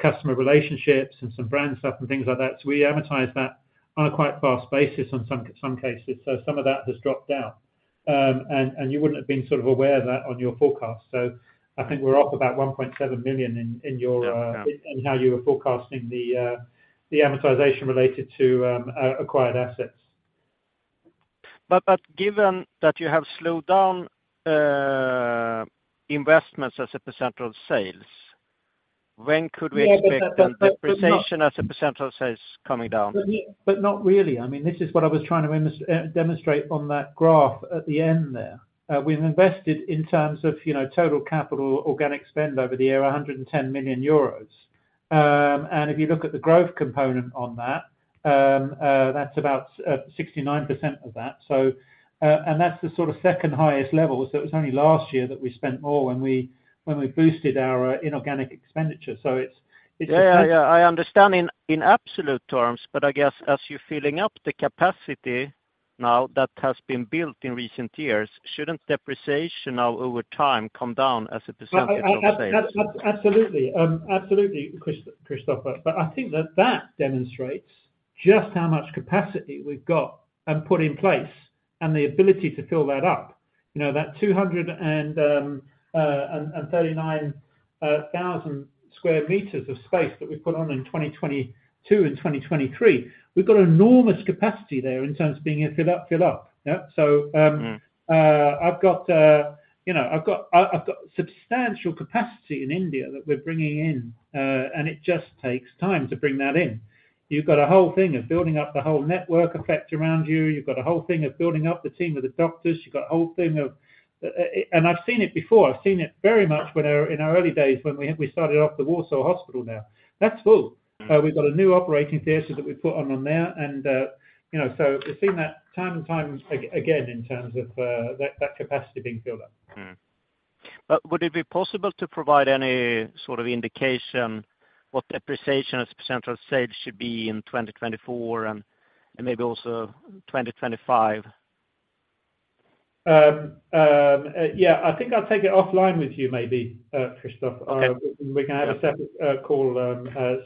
customer relationships and some brand stuff and things like that. So we amortize that on a quite fast basis in some cases, so some of that has dropped down. And you wouldn't have been sort of aware of that on your forecast. So I think we're off about 1.7 million in your. Yeah in how you were forecasting the amortization related to acquired assets. But given that you have slowed down investments as a % of sales, when could we expect- Yeah, but not- the depreciation as a % of sales coming down? But not really. I mean, this is what I was trying to demonstrate on that graph at the end there. We've invested in terms of, you know, total capital, organic spend over the year, 110 million euros. And if you look at the growth component on that, that's about, 69% of that. So, and that's the sort of second highest level. So it was only last year that we spent more when we, when we boosted our inorganic expenditure. So it's. Yeah. Yeah. Yeah, I understand in absolute terms, but I guess as you're filling up the capacity now that has been built in recent years, shouldn't depreciation now over time come down as a percentage of sales? Absolutely, Kristoffer. But I think that that demonstrates just how much capacity we've got and put in place, and the ability to fill that up. You know, that 239,000 square meters of space that we've put on in 2022 and 2023, we've got enormous capacity there in terms of being able to fill up, fill up. Yeah, so. Mm. I've got, you know, I've got substantial capacity in India that we're bringing in, and it just takes time to bring that in. You've got a whole thing of building up the whole network effect around you. You've got a whole thing of building up the team with the doctors. You've got a whole thing of, and I've seen it before. I've seen it very much when, in our early days when we started off the Warsaw Hospital there. That's full. Mm. We've got a new operating theater that we put on on there, and, you know, so we've seen that time and time again, in terms of that capacity being filled up. Would it be possible to provide any sort of indication what depreciation as a percentage of sales should be in 2024 and maybe also 2025? Yeah, I think I'll take it offline with you, maybe, Kristoffer. Okay. We can have a separate call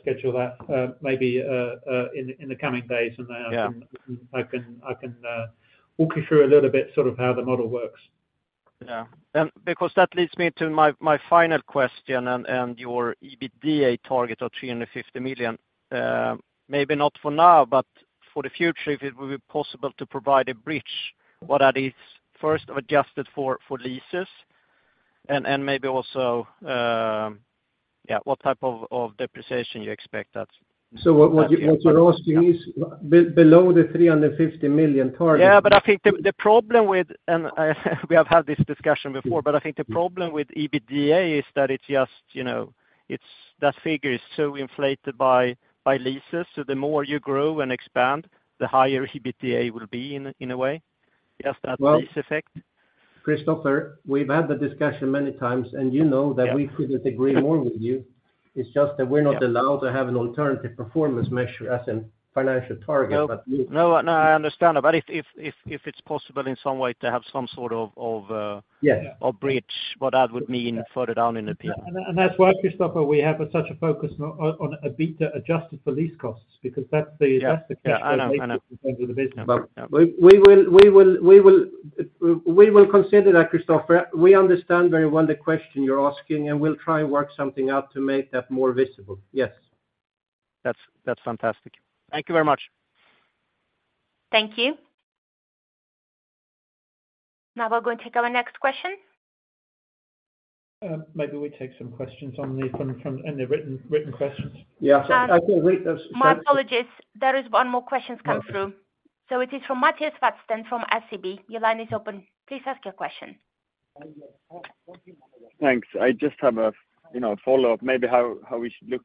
schedule that maybe in the coming days, and then- Yeah I can walk you through a little bit sort of how the model works. Yeah. And because that leads me to my final question and your EBITDA target of 350 million. Maybe not for now, but for the future, if it will be possible to provide a bridge, what are these first adjusted for leases and maybe also what type of depreciation you expect that? So, what you're asking is below the 350 million target? Yeah, but I think the problem with, and we have had this discussion before, but I think the problem with EBITDA is that it's just, you know, it's that figure is so inflated by leases, so the more you grow and expand, the higher EBITDA will be in a way. Just that lease effect. Christopher, we've had the discussion many times, and you know that we couldn't agree more with you. It's just that we're not allowed to have an alternative performance measure as a financial target, but we. No, no, I understand that, but if it's possible in some way to have some sort of. Yeah A bridge, what that would mean further down in the future. And that's why, Kristoffer, we have such a focus on EBITDA adjusted for lease costs, because that's the that's the case. Yeah, I know, I know. With the business. But we will consider that, Kristoffer. We understand very well the question you're asking, and we'll try and work something out to make that more visible. Yes. That's fantastic. Thank you very much. Thank you. Now we'll go and take our next question. Maybe we take some questions from the written questions. Yeah. So I think we, there's- My apologies. There is one more question coming through. Okay. It is from Mattias Vadsten from SEB. Your line is open. Please ask your question. Thanks. I just have a, you know, a follow-up, maybe how, how we should look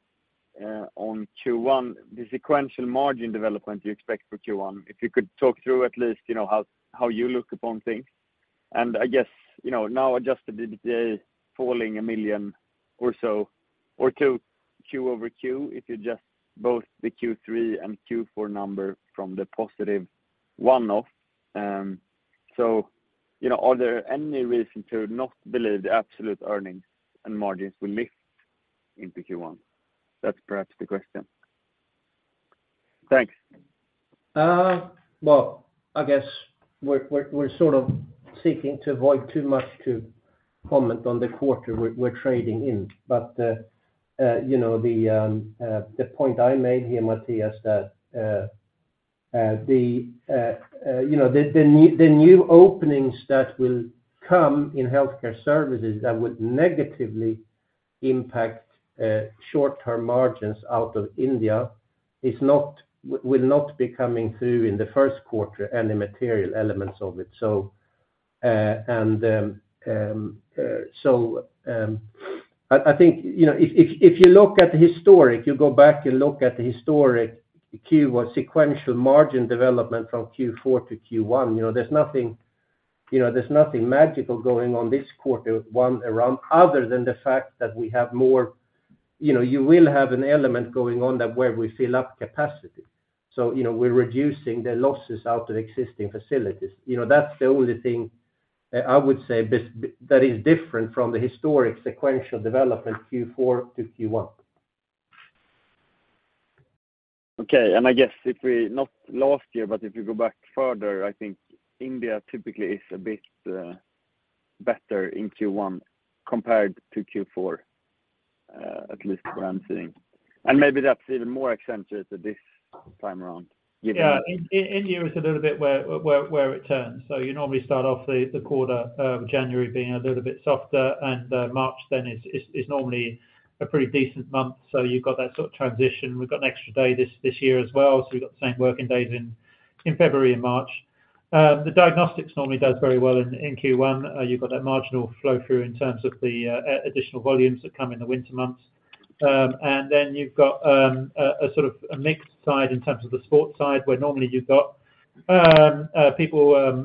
on Q1, the sequential margin development you expect for Q1. If you could talk through at least, you know, how, how you look upon things. And I guess, you know, now, Adjusted EBITDA falling 1 million or so or 2, Q over Q, if you adjust both the Q3 and Q4 number from the positive one-off. So, you know, are there any reason to not believe the absolute earnings and margins will lift into Q1? That's perhaps the question. Thanks. Well, I guess we're sort of seeking to avoid too much to comment on the quarter we're trading in. But, you know, the point I made here, Matthias, that, you know, the new openings that will come in healthcare services that would negatively impact short-term margins out of India, will not be coming through in the first quarter, any material elements of it. So, and, so, I think, you know, if you look at the historic, you go back and look at the historic Q1 sequential margin development from Q4 to Q1, you know, there's nothing, you know, there's nothing magical going on this quarter with one around, other than the fact that we have more... You know, you will have an element going on that where we fill up capacity. So, you know, we're reducing the losses out of existing facilities. You know, that's the only thing that is different from the historic sequential development, Q4 to Q1. Okay. And I guess if we, not last year, but if you go back further, I think India typically is a bit better in Q1 compared to Q4, at least what I'm seeing. And maybe that's even more accentuated this time around. Yeah. In India is a little bit where it turns. So you normally start off the quarter, January being a little bit softer, and March then is normally a pretty decent month. So you've got that sort of transition. We've got an extra day this year as well, so we've got the same working days in February and March. The diagnostics normally does very well in Q1. You've got that marginal flow through in terms of the additional volumes that come in the winter months. And then you've got a sort of a mixed side in terms of the sport side, where normally you've got people...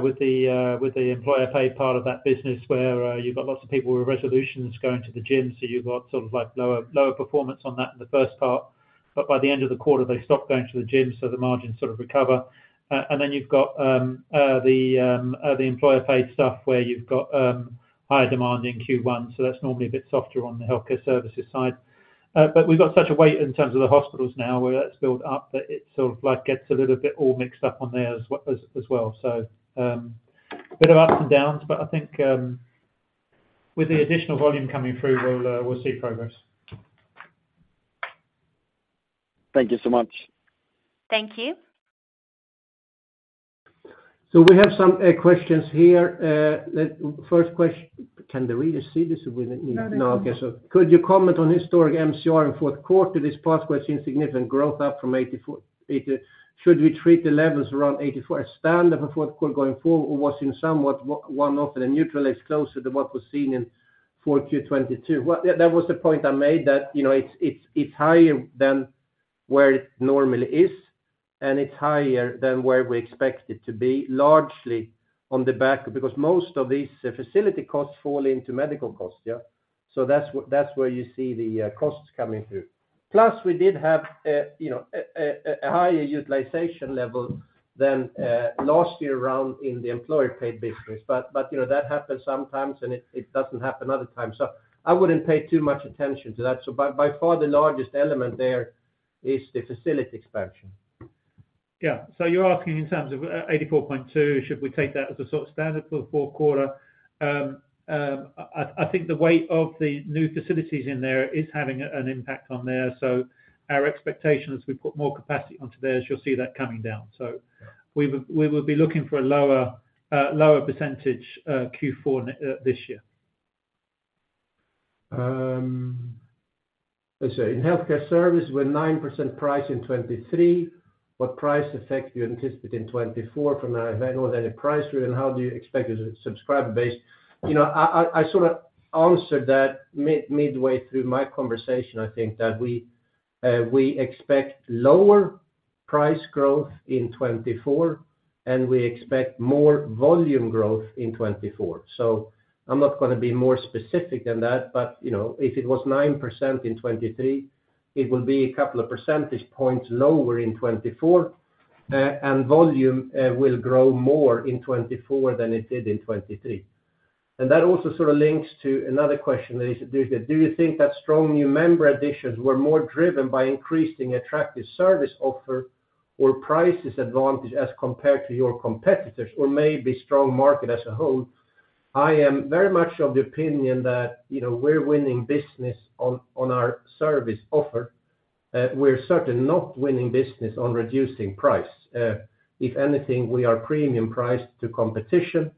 With the employer paid part of that business, where you've got lots of people with resolutions going to the gym, so you've got sort of like lower, lower performance on that in the first part. But by the end of the quarter, they stop going to the gym, so the margins sort of recover. And then you've got the employer paid stuff where you've got higher demand in Q1, so that's normally a bit softer on the healthcare services side. But we've got such a weight in terms of the hospitals now, where that's built up that it sort of like gets a little bit all mixed up on there as well. So, a bit of ups and downs, but I think, with the additional volume coming through, we'll see progress. Thank you so much. Thank you. So we have some questions here. Can they really see this with it? No, they. No. Okay, so could you comment on historic MCR in fourth quarter, this part we're seeing significant growth up from 84, 80... Should we treat the levels around 84% as standard for fourth quarter going forward, or was it somewhat one off and the neutral is closer to what was seen in Q4 2022? Well, yeah, that was the point I made, that, you know, it's, it's, it's higher than where it normally is, and it's higher than where we expect it to be, largely on the back, because most of these facility costs fall into medical costs, yeah? So that's that's where you see the costs coming through. Plus, we did have a, you know, a higher utilization level than last year around in the employer paid business. But, you know, that happens sometimes, and it doesn't happen other times. I wouldn't pay too much attention to that. By far, the largest element there is the facility expansion. Yeah. So you're asking in terms of 84.2, should we take that as a sort of standard for the fourth quarter? I, I think the weight of the new facilities in there is having an impact on there, so our expectation as we put more capacity onto there, is you'll see that coming down. So we will, we will be looking for a lower, lower percentage, Q4 this year. Let's see. In healthcare service, we're 9% price in 2023. What price effect do you anticipate in 2024 from a manual than a price driven, how do you expect the subscriber base? You know, I sort of answered that midway through my conversation. I think that we expect lower price growth in 2024, and we expect more volume growth in 2024. So I'm not going to be more specific than that, but you know, if it was 9% in 2023, it will be a couple of percentage points lower in 2024, and volume will grow more in 2024 than it did in 2023. That also sort of links to another question that is: Do you think that strong new member additions were more driven by an increasingly attractive service offer or price advantage as compared to your competitors, or maybe strong market as a whole? I am very much of the opinion that, you know, we're winning business on our service offer. We're certainly not winning business on reducing price. If anything, we are premium priced to competition.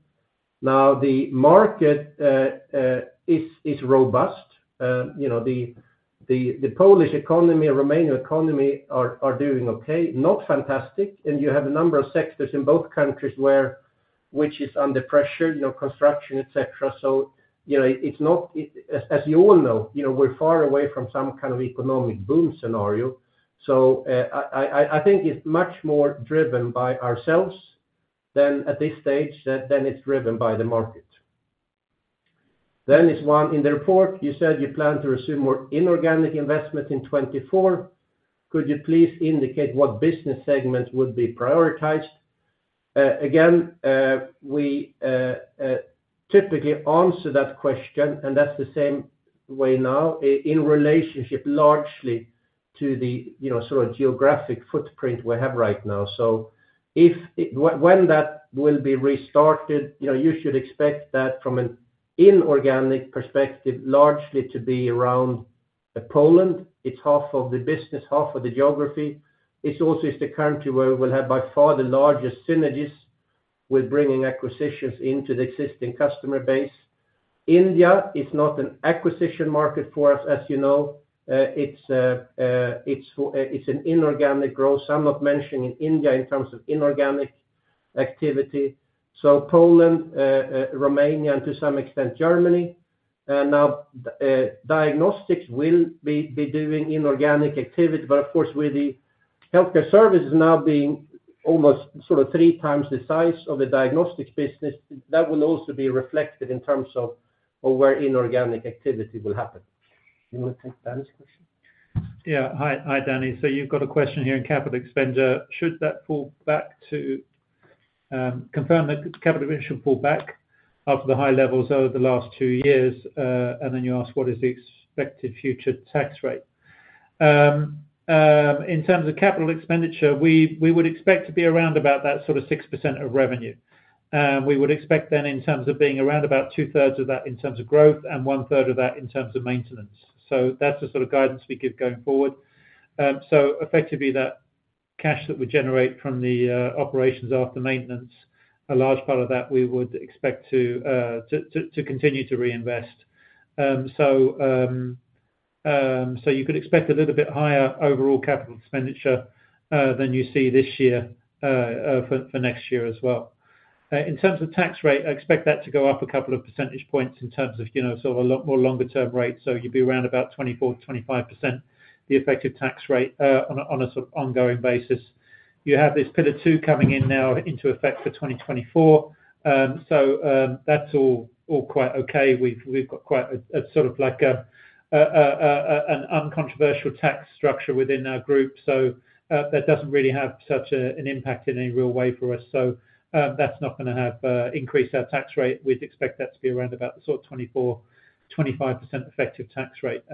Now, the market is robust. You know, the Polish economy and Romanian economy are doing okay, not fantastic, and you have a number of sectors in both countries where, which is under pressure, you know, construction, et cetera. So, you know, it's not, as, as you all know, you know, we're far away from some kind of economic boom scenario. I think it's much more driven by ourselves than at this stage, than it's driven by the market. Then there's one in the report, you said you plan to resume more inorganic investment in 2024. Could you please indicate what business segments would be prioritized? Again, we typically answer that question, and that's the same way now in relationship largely to the, you know, sort of geographic footprint we have right now. So when that will be restarted, you know, you should expect that from an inorganic perspective, largely to be around Poland. It's half of the business, half of the geography. It's also is the country where we'll have by far the largest synergies with bringing acquisitions into the existing customer base. India is not an acquisition market for us, as you know. It's an inorganic growth. I'm not mentioning India in terms of inorganic activity. So Poland, Romania, and to some extent, Germany. Now, diagnostics will be doing inorganic activity, but of course, with the healthcare services now being almost sort of three times the size of the diagnostics business, that will also be reflected in terms of where inorganic activity will happen. You want to take Danny's question? Yeah. Hi, hi, Danny. So you've got a question here on capital expenditure. Should that pull back to confirm that capital expenditure should pull back after the high levels over the last two years, and then you ask, what is the expected future tax rate? In terms of capital expenditure, we would expect to be around about that sort of 6% of revenue. We would expect then in terms of being around about two-thirds of that in terms of growth and one-third of that in terms of maintenance. So that's the sort of guidance we give going forward. So effectively, that cash that we generate from the operations after maintenance, a large part of that we would expect to continue to reinvest. So you could expect a little bit higher overall capital expenditure than you see this year for next year as well. In terms of tax rate, I expect that to go up a couple of percentage points in terms of, you know, sort of a lot more longer term rates. So you'd be around about 24%-25%, the effective tax rate, on a sort of ongoing basis. You have this Pillar Two coming in now into effect for 2024. So that's all quite okay. We've got quite a sort of like an uncontroversial tax structure within our group, so that doesn't really have such an impact in any real way for us. So that's not gonna have increase our tax rate. We'd expect that to be around about the sort of 24%-25% effective tax rate.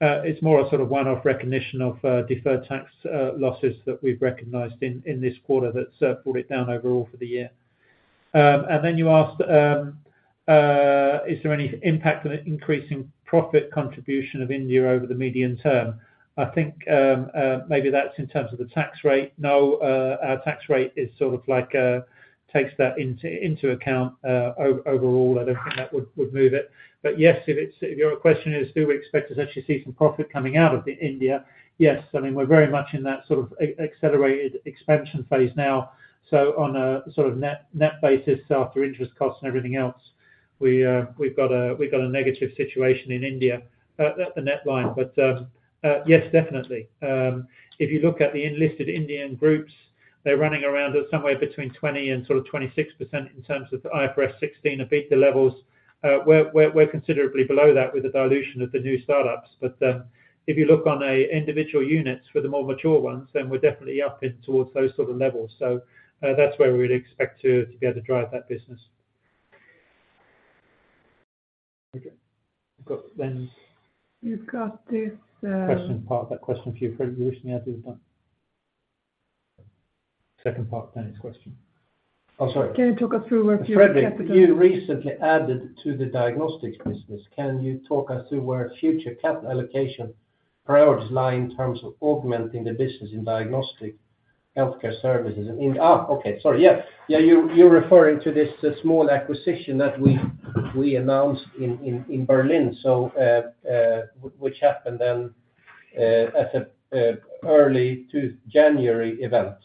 It's more a sort of one-off recognition of deferred tax losses that we've recognized in this quarter that pulled it down overall for the year. And then you asked, is there any impact on the increasing profit contribution of India over the medium term? I think, maybe that's in terms of the tax rate. No, our tax rate is sort of like takes that into account. Overall, I don't think that would move it. But yes, if it's, if your question is, do we expect to actually see some profit coming out of the India? Yes. I mean, we're very much in that sort of accelerated expansion phase now. So on a sort of net, net basis, after interest costs and everything else, we, we've got a, we've got a negative situation in India, at the net line. But, yes, definitely. If you look at the listed Indian groups, they're running around at somewhere between 20% and sort of 26% in terms of the IFRS 16 EBITDA levels. We're considerably below that with the dilution of the new startups. But, if you look on a individual units for the more mature ones, then we're definitely up in towards those sort of levels. So, that's where we'd expect to be able to drive that business. Okay, we've got then- You've got this. Question part, that question for you, Fredrik, you recently added that. Second part, Danny's question. Oh, sorry. Can you talk us through where future capital? Fredrik, you recently added to the diagnostics business. Can you talk us through where future capital allocation priorities lie in terms of augmenting the business in diagnostic healthcare services? You're referring to this small acquisition that we announced in Berlin, so which happened then at the early in January event.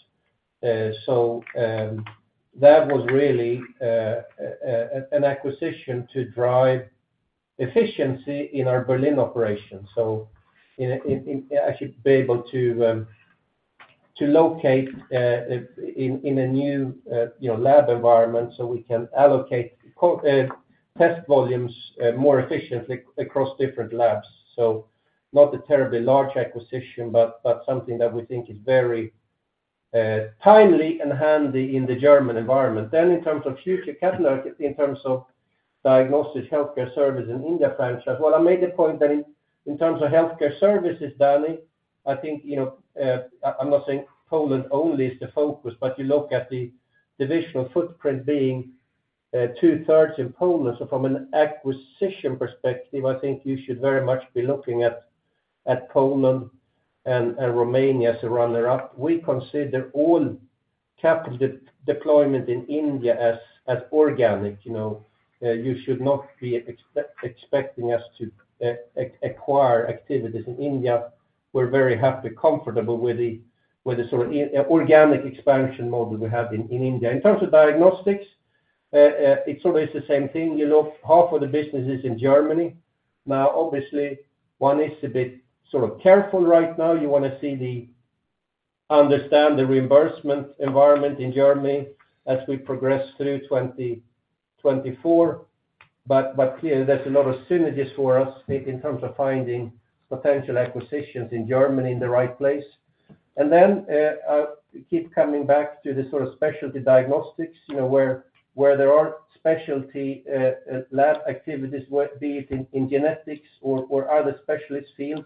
So that was really an acquisition to drive efficiency in our Berlin operation. So actually be able to locate in a new you know lab environment, so we can allocate core test volumes more efficiently across different labs. So not a terribly large acquisition, but something that we think is very timely and handy in the German environment. Then in terms of future capital, in terms of diagnostic healthcare service in India, well, I made the point that in terms of healthcare services, Danny, I think, you know, I'm not saying Poland only is the focus, but you look at the divisional footprint being two-thirds in Poland. So from an acquisition perspective, I think you should very much be looking at Poland and Romania as a runner-up. We consider all capital deployment in India as organic, you know, you should not be expecting us to acquire activities in India. We're very happy, comfortable with the sort of organic expansion model we have in India. In terms of diagnostics, it's always the same thing. You know, half of the business is in Germany. Now, obviously, one is a bit sort of careful right now. You wanna see, understand the reimbursement environment in Germany as we progress through 2024. But clearly, there's a lot of synergies for us in terms of finding potential acquisitions in Germany in the right place. And then, keep coming back to the sort of specialty diagnostics, you know, where there are specialty lab activities, be it in genetics or other specialist fields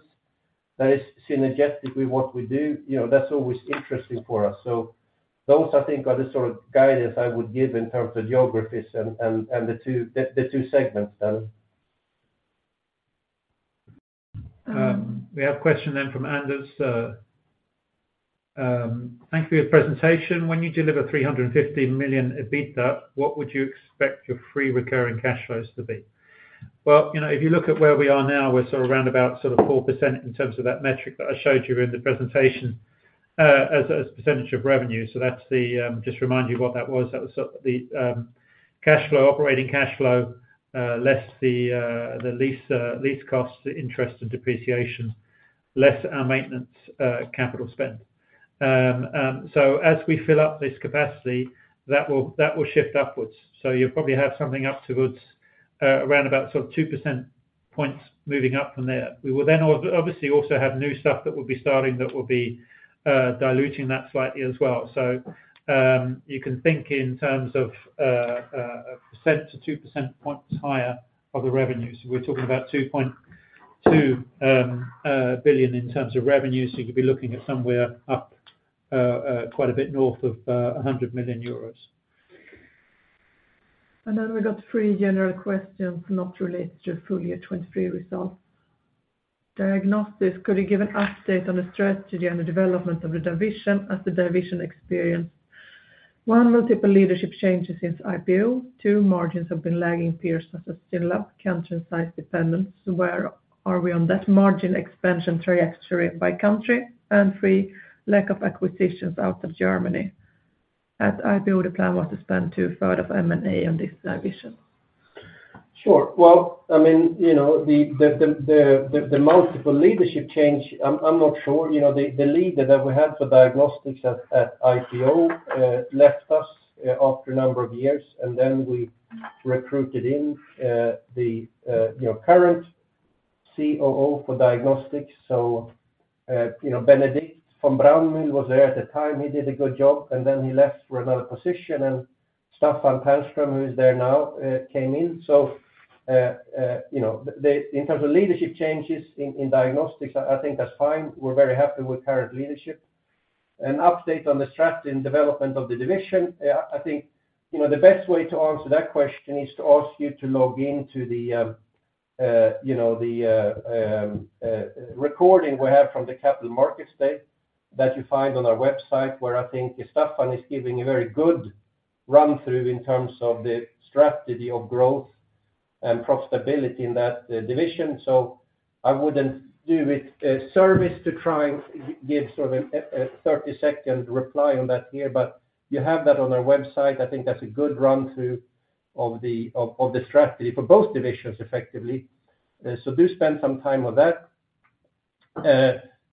that is synergetic with what we do, you know, that's always interesting for us. So those, I think, are the sort of guidance I would give in terms of geographies and the two segments, Danny. We have a question then from Anders: Thank you for your presentation. When you deliver 350 million EBITDA, what would you expect your free recurring cash flows to be? Well, you know, if you look at where we are now, we're sort of around about sort of 4% in terms of that metric that I showed you in the presentation, as a percentage of revenue. So that's the, just remind you what that was. That was the cash flow, operating cash flow less the lease costs, the interest and depreciation, less our maintenance capital spend. So as we fill up this capacity, that will shift upwards. So you'll probably have something upwards, around about sort of two percentage points moving up from there. We will then obviously also have new stuff that will be starting, that will be diluting that slightly as well. So, you can think in terms of a percent to two percent points higher of the revenues. We're talking about 2.2 billion in terms of revenues. So you could be looking at somewhere up quite a bit north of a hundred million euros. And then we got three general questions, not related to full year 2023 results. Diagnostics, could you give an update on the strategy and the development of the division as the division experience?... 1, multiple leadership changes since IPO. 2, margins have been lagging peers such as Synlab, country, and size dependent. So where are we on that margin expansion trajectory by country? And 3, lack of acquisitions out of Germany. At IPO, the plan was to spend two-thirds of M&A on this division. Sure. Well, I mean, you know, the multiple leadership change, I'm not sure. You know, the leader that we had for diagnostics at IPO left us after a number of years, and then we recruited the current COO for diagnostics. So, you know, Benedikt von Braunmühl was there at the time. He did a good job, and then he left for another position, and Staffan Ternström, who is there now, came in. So, you know, the in terms of leadership changes in diagnostics, I think that's fine. We're very happy with current leadership. An update on the strategy and development of the division. I think, you know, the best way to answer that question is to ask you to log in to the recording we have from the Capital Markets Day that you find on our website, where I think Staffan is giving a very good run-through in terms of the strategy of growth and profitability in that division. So I wouldn't do it a service to try and give sort of a 30-second reply on that here, but you have that on our website. I think that's a good run-through of the strategy for both divisions, effectively. So do spend some time on that.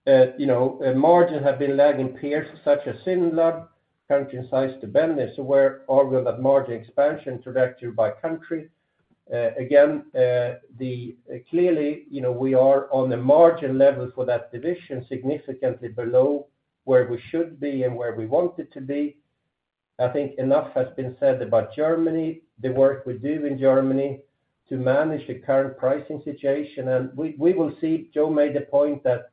You know, margin have been lagging peers, such as Synlab, country, and size dependence, where are we on that margin expansion trajectory by country? Again, the... Clearly, you know, we are on the margin level for that division, significantly below where we should be and where we want it to be. I think enough has been said about Germany, the work we do in Germany to manage the current pricing situation, and we will see. Joe made a point that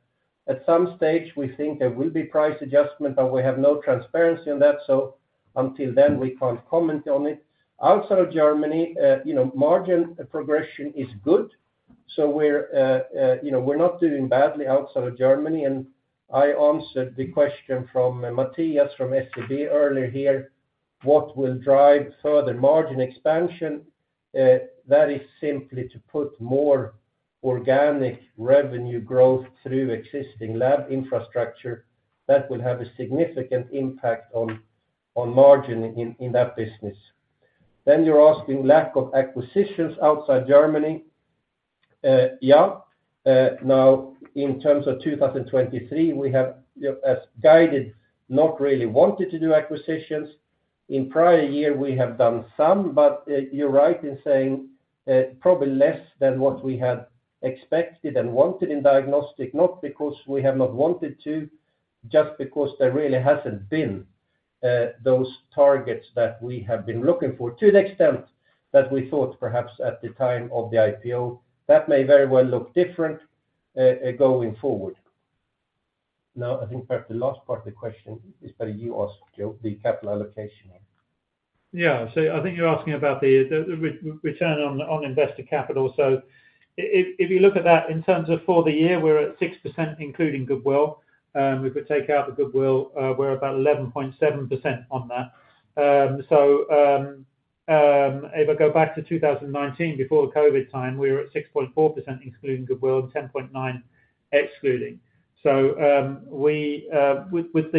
at some stage we think there will be price adjustment, but we have no transparency on that, so until then, we can't comment on it. Outside of Germany, you know, margin progression is good, so we're, you know, we're not doing badly outside of Germany, and I answered the question from Matthias, from SEB earlier here, what will drive further margin expansion? That is simply to put more organic revenue growth through existing lab infrastructure. That will have a significant impact on, on margin in, in that business. Then you're asking lack of acquisitions outside Germany. Yeah. Now, in terms of 2023, we have, as guided, not really wanted to do acquisitions. In prior year, we have done some, but you're right in saying probably less than what we had expected and wanted in diagnostic, not because we have not wanted to, just because there really hasn't been those targets that we have been looking for to the extent that we thought perhaps at the time of the IPO. That may very well look different going forward. Now, I think perhaps the last part of the question is better you ask Joe the capital allocation. Yeah. So I think you're asking about the return on investor capital. So if you look at that in terms of for the year, we're at 6%, including goodwill. If we take out the goodwill, we're about 11.7% on that. So if I go back to 2019, before the COVID time, we were at 6.4%, excluding goodwill, 10.9, excluding. So with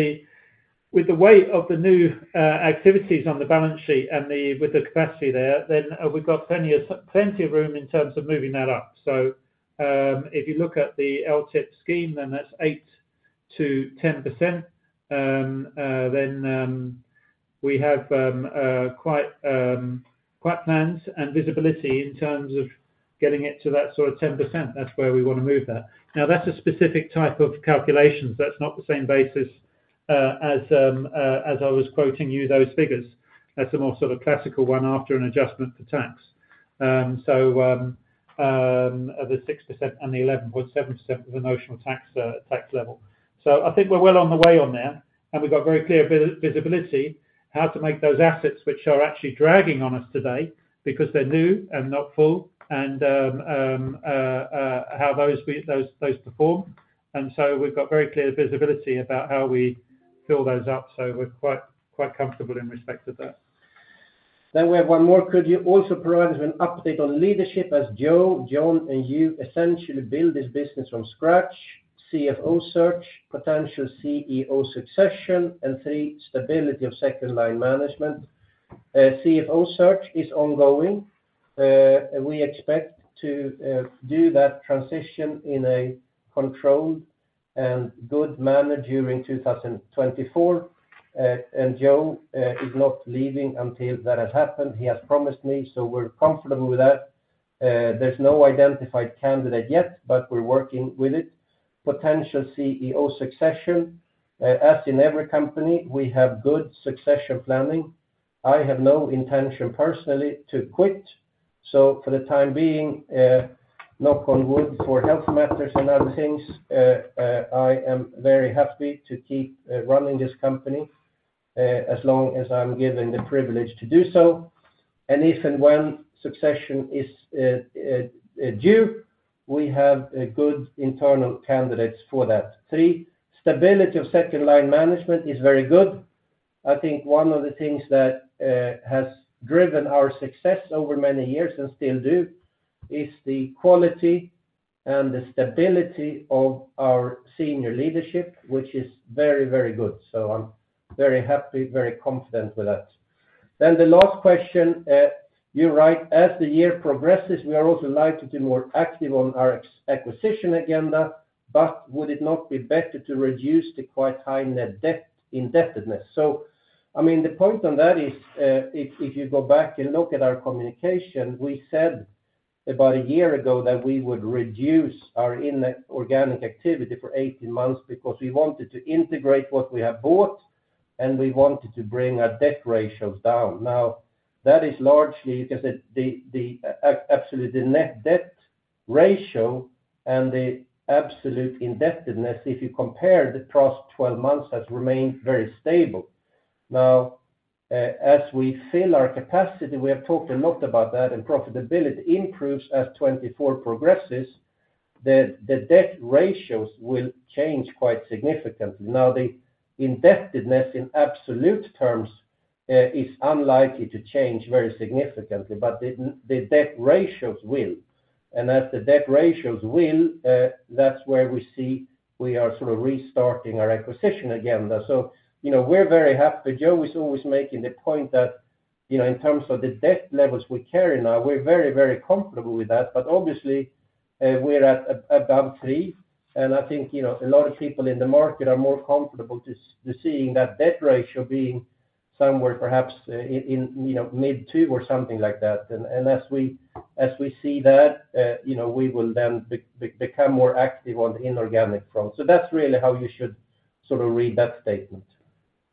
the weight of the new activities on the balance sheet and the capacity there, then we've got plenty of room in terms of moving that up. So if you look at the LTIP scheme, then that's 8%-10%. Then, we have quite plans and visibility in terms of getting it to that sort of 10%. That's where we want to move that. Now, that's a specific type of calculations. That's not the same basis as I was quoting you those figures. That's a more sort of classical one after an adjustment for tax. So, the 6% and the 11.7% was a notional tax, tax level. So I think we're well on the way on there, and we've got very clear visibility how to make those assets, which are actually dragging on us today because they're new and not full, and how those we, those perform. And so we've got very clear visibility about how we fill those up, so we're quite, quite comfortable in respect to that. Then we have one more. Could you also provide an update on leadership as Joe, John, and you essentially build this business from scratch? CFO search, potential CEO succession, and three, stability of second line management. CFO search is ongoing. We expect to do that transition in a controlled and good manner during 2024. And Joe is not leaving until that has happened. He has promised me, so we're comfortable with that. There's no identified candidate yet, but we're working with it. Potential CEO succession, as in every company, we have good succession planning. I have no intention personally to quit, so for the time being, knock on wood, for health matters and other things, I am very happy to keep running this company, as long as I'm given the privilege to do so.... If and when succession is due, we have a good internal candidates for that. Three, stability of second-line management is very good. I think one of the things that has driven our success over many years, and still do, is the quality and the stability of our senior leadership, which is very, very good. So I'm very happy, very confident with that. Then the last question, you write, as the year progresses, we are also likely to be more active on our acquisition agenda, but would it not be better to reduce the quite high net debt indebtedness? So, I mean, the point on that is, if, if you go back and look at our communication, we said about a year ago that we would reduce our inorganic activity for 18 months because we wanted to integrate what we have bought, and we wanted to bring our debt ratios down. Now, that is largely because absolutely the net debt ratio and the absolute indebtedness, if you compare the past 12 months, has remained very stable. Now, as we fill our capacity, we have talked a lot about that, and profitability improves as 2024 progresses, the debt ratios will change quite significantly. Now, the indebtedness in absolute terms is unlikely to change very significantly, but the debt ratios will. And as the debt ratios will, that's where we see we are sort of restarting our acquisition agenda. So, you know, we're very happy. Joe is always making the point that, you know, in terms of the debt levels we carry now, we're very, very comfortable with that, but obviously, we're at about three, and I think, you know, a lot of people in the market are more comfortable to seeing that debt ratio being somewhere, perhaps, in, in, you know, mid-two or something like that. And as we see that, you know, we will then become more active on the inorganic front. So that's really how you should sort of read that statement.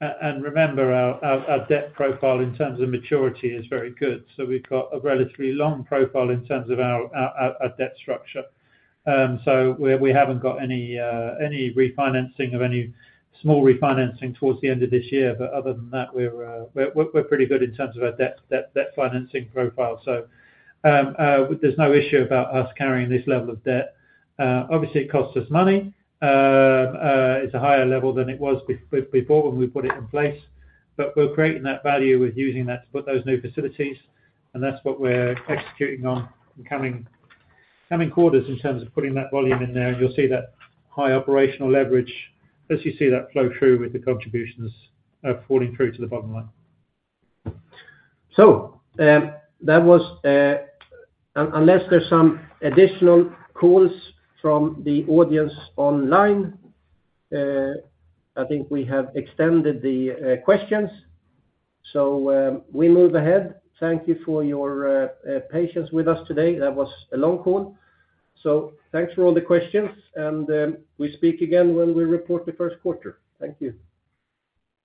And remember, our debt profile in terms of maturity is very good, so we've got a relatively long profile in terms of our debt structure. So we haven't got any refinancing of any small refinancing towards the end of this year, but other than that, we're pretty good in terms of our debt financing profile. So there's no issue about us carrying this level of debt. Obviously, it costs us money. It's a higher level than it was before when we put it in place, but we're creating that value with using that to put those new facilities, and that's what we're executing on in coming quarters in terms of putting that volume in there, and you'll see that high operational leverage as you see that flow through with the contributions falling through to the bottom line. So, that was, unless there's some additional calls from the audience online. I think we have extended the questions. We move ahead. Thank you for your patience with us today. That was a long call. Thanks for all the questions, and we speak again when we report the first quarter. Thank you.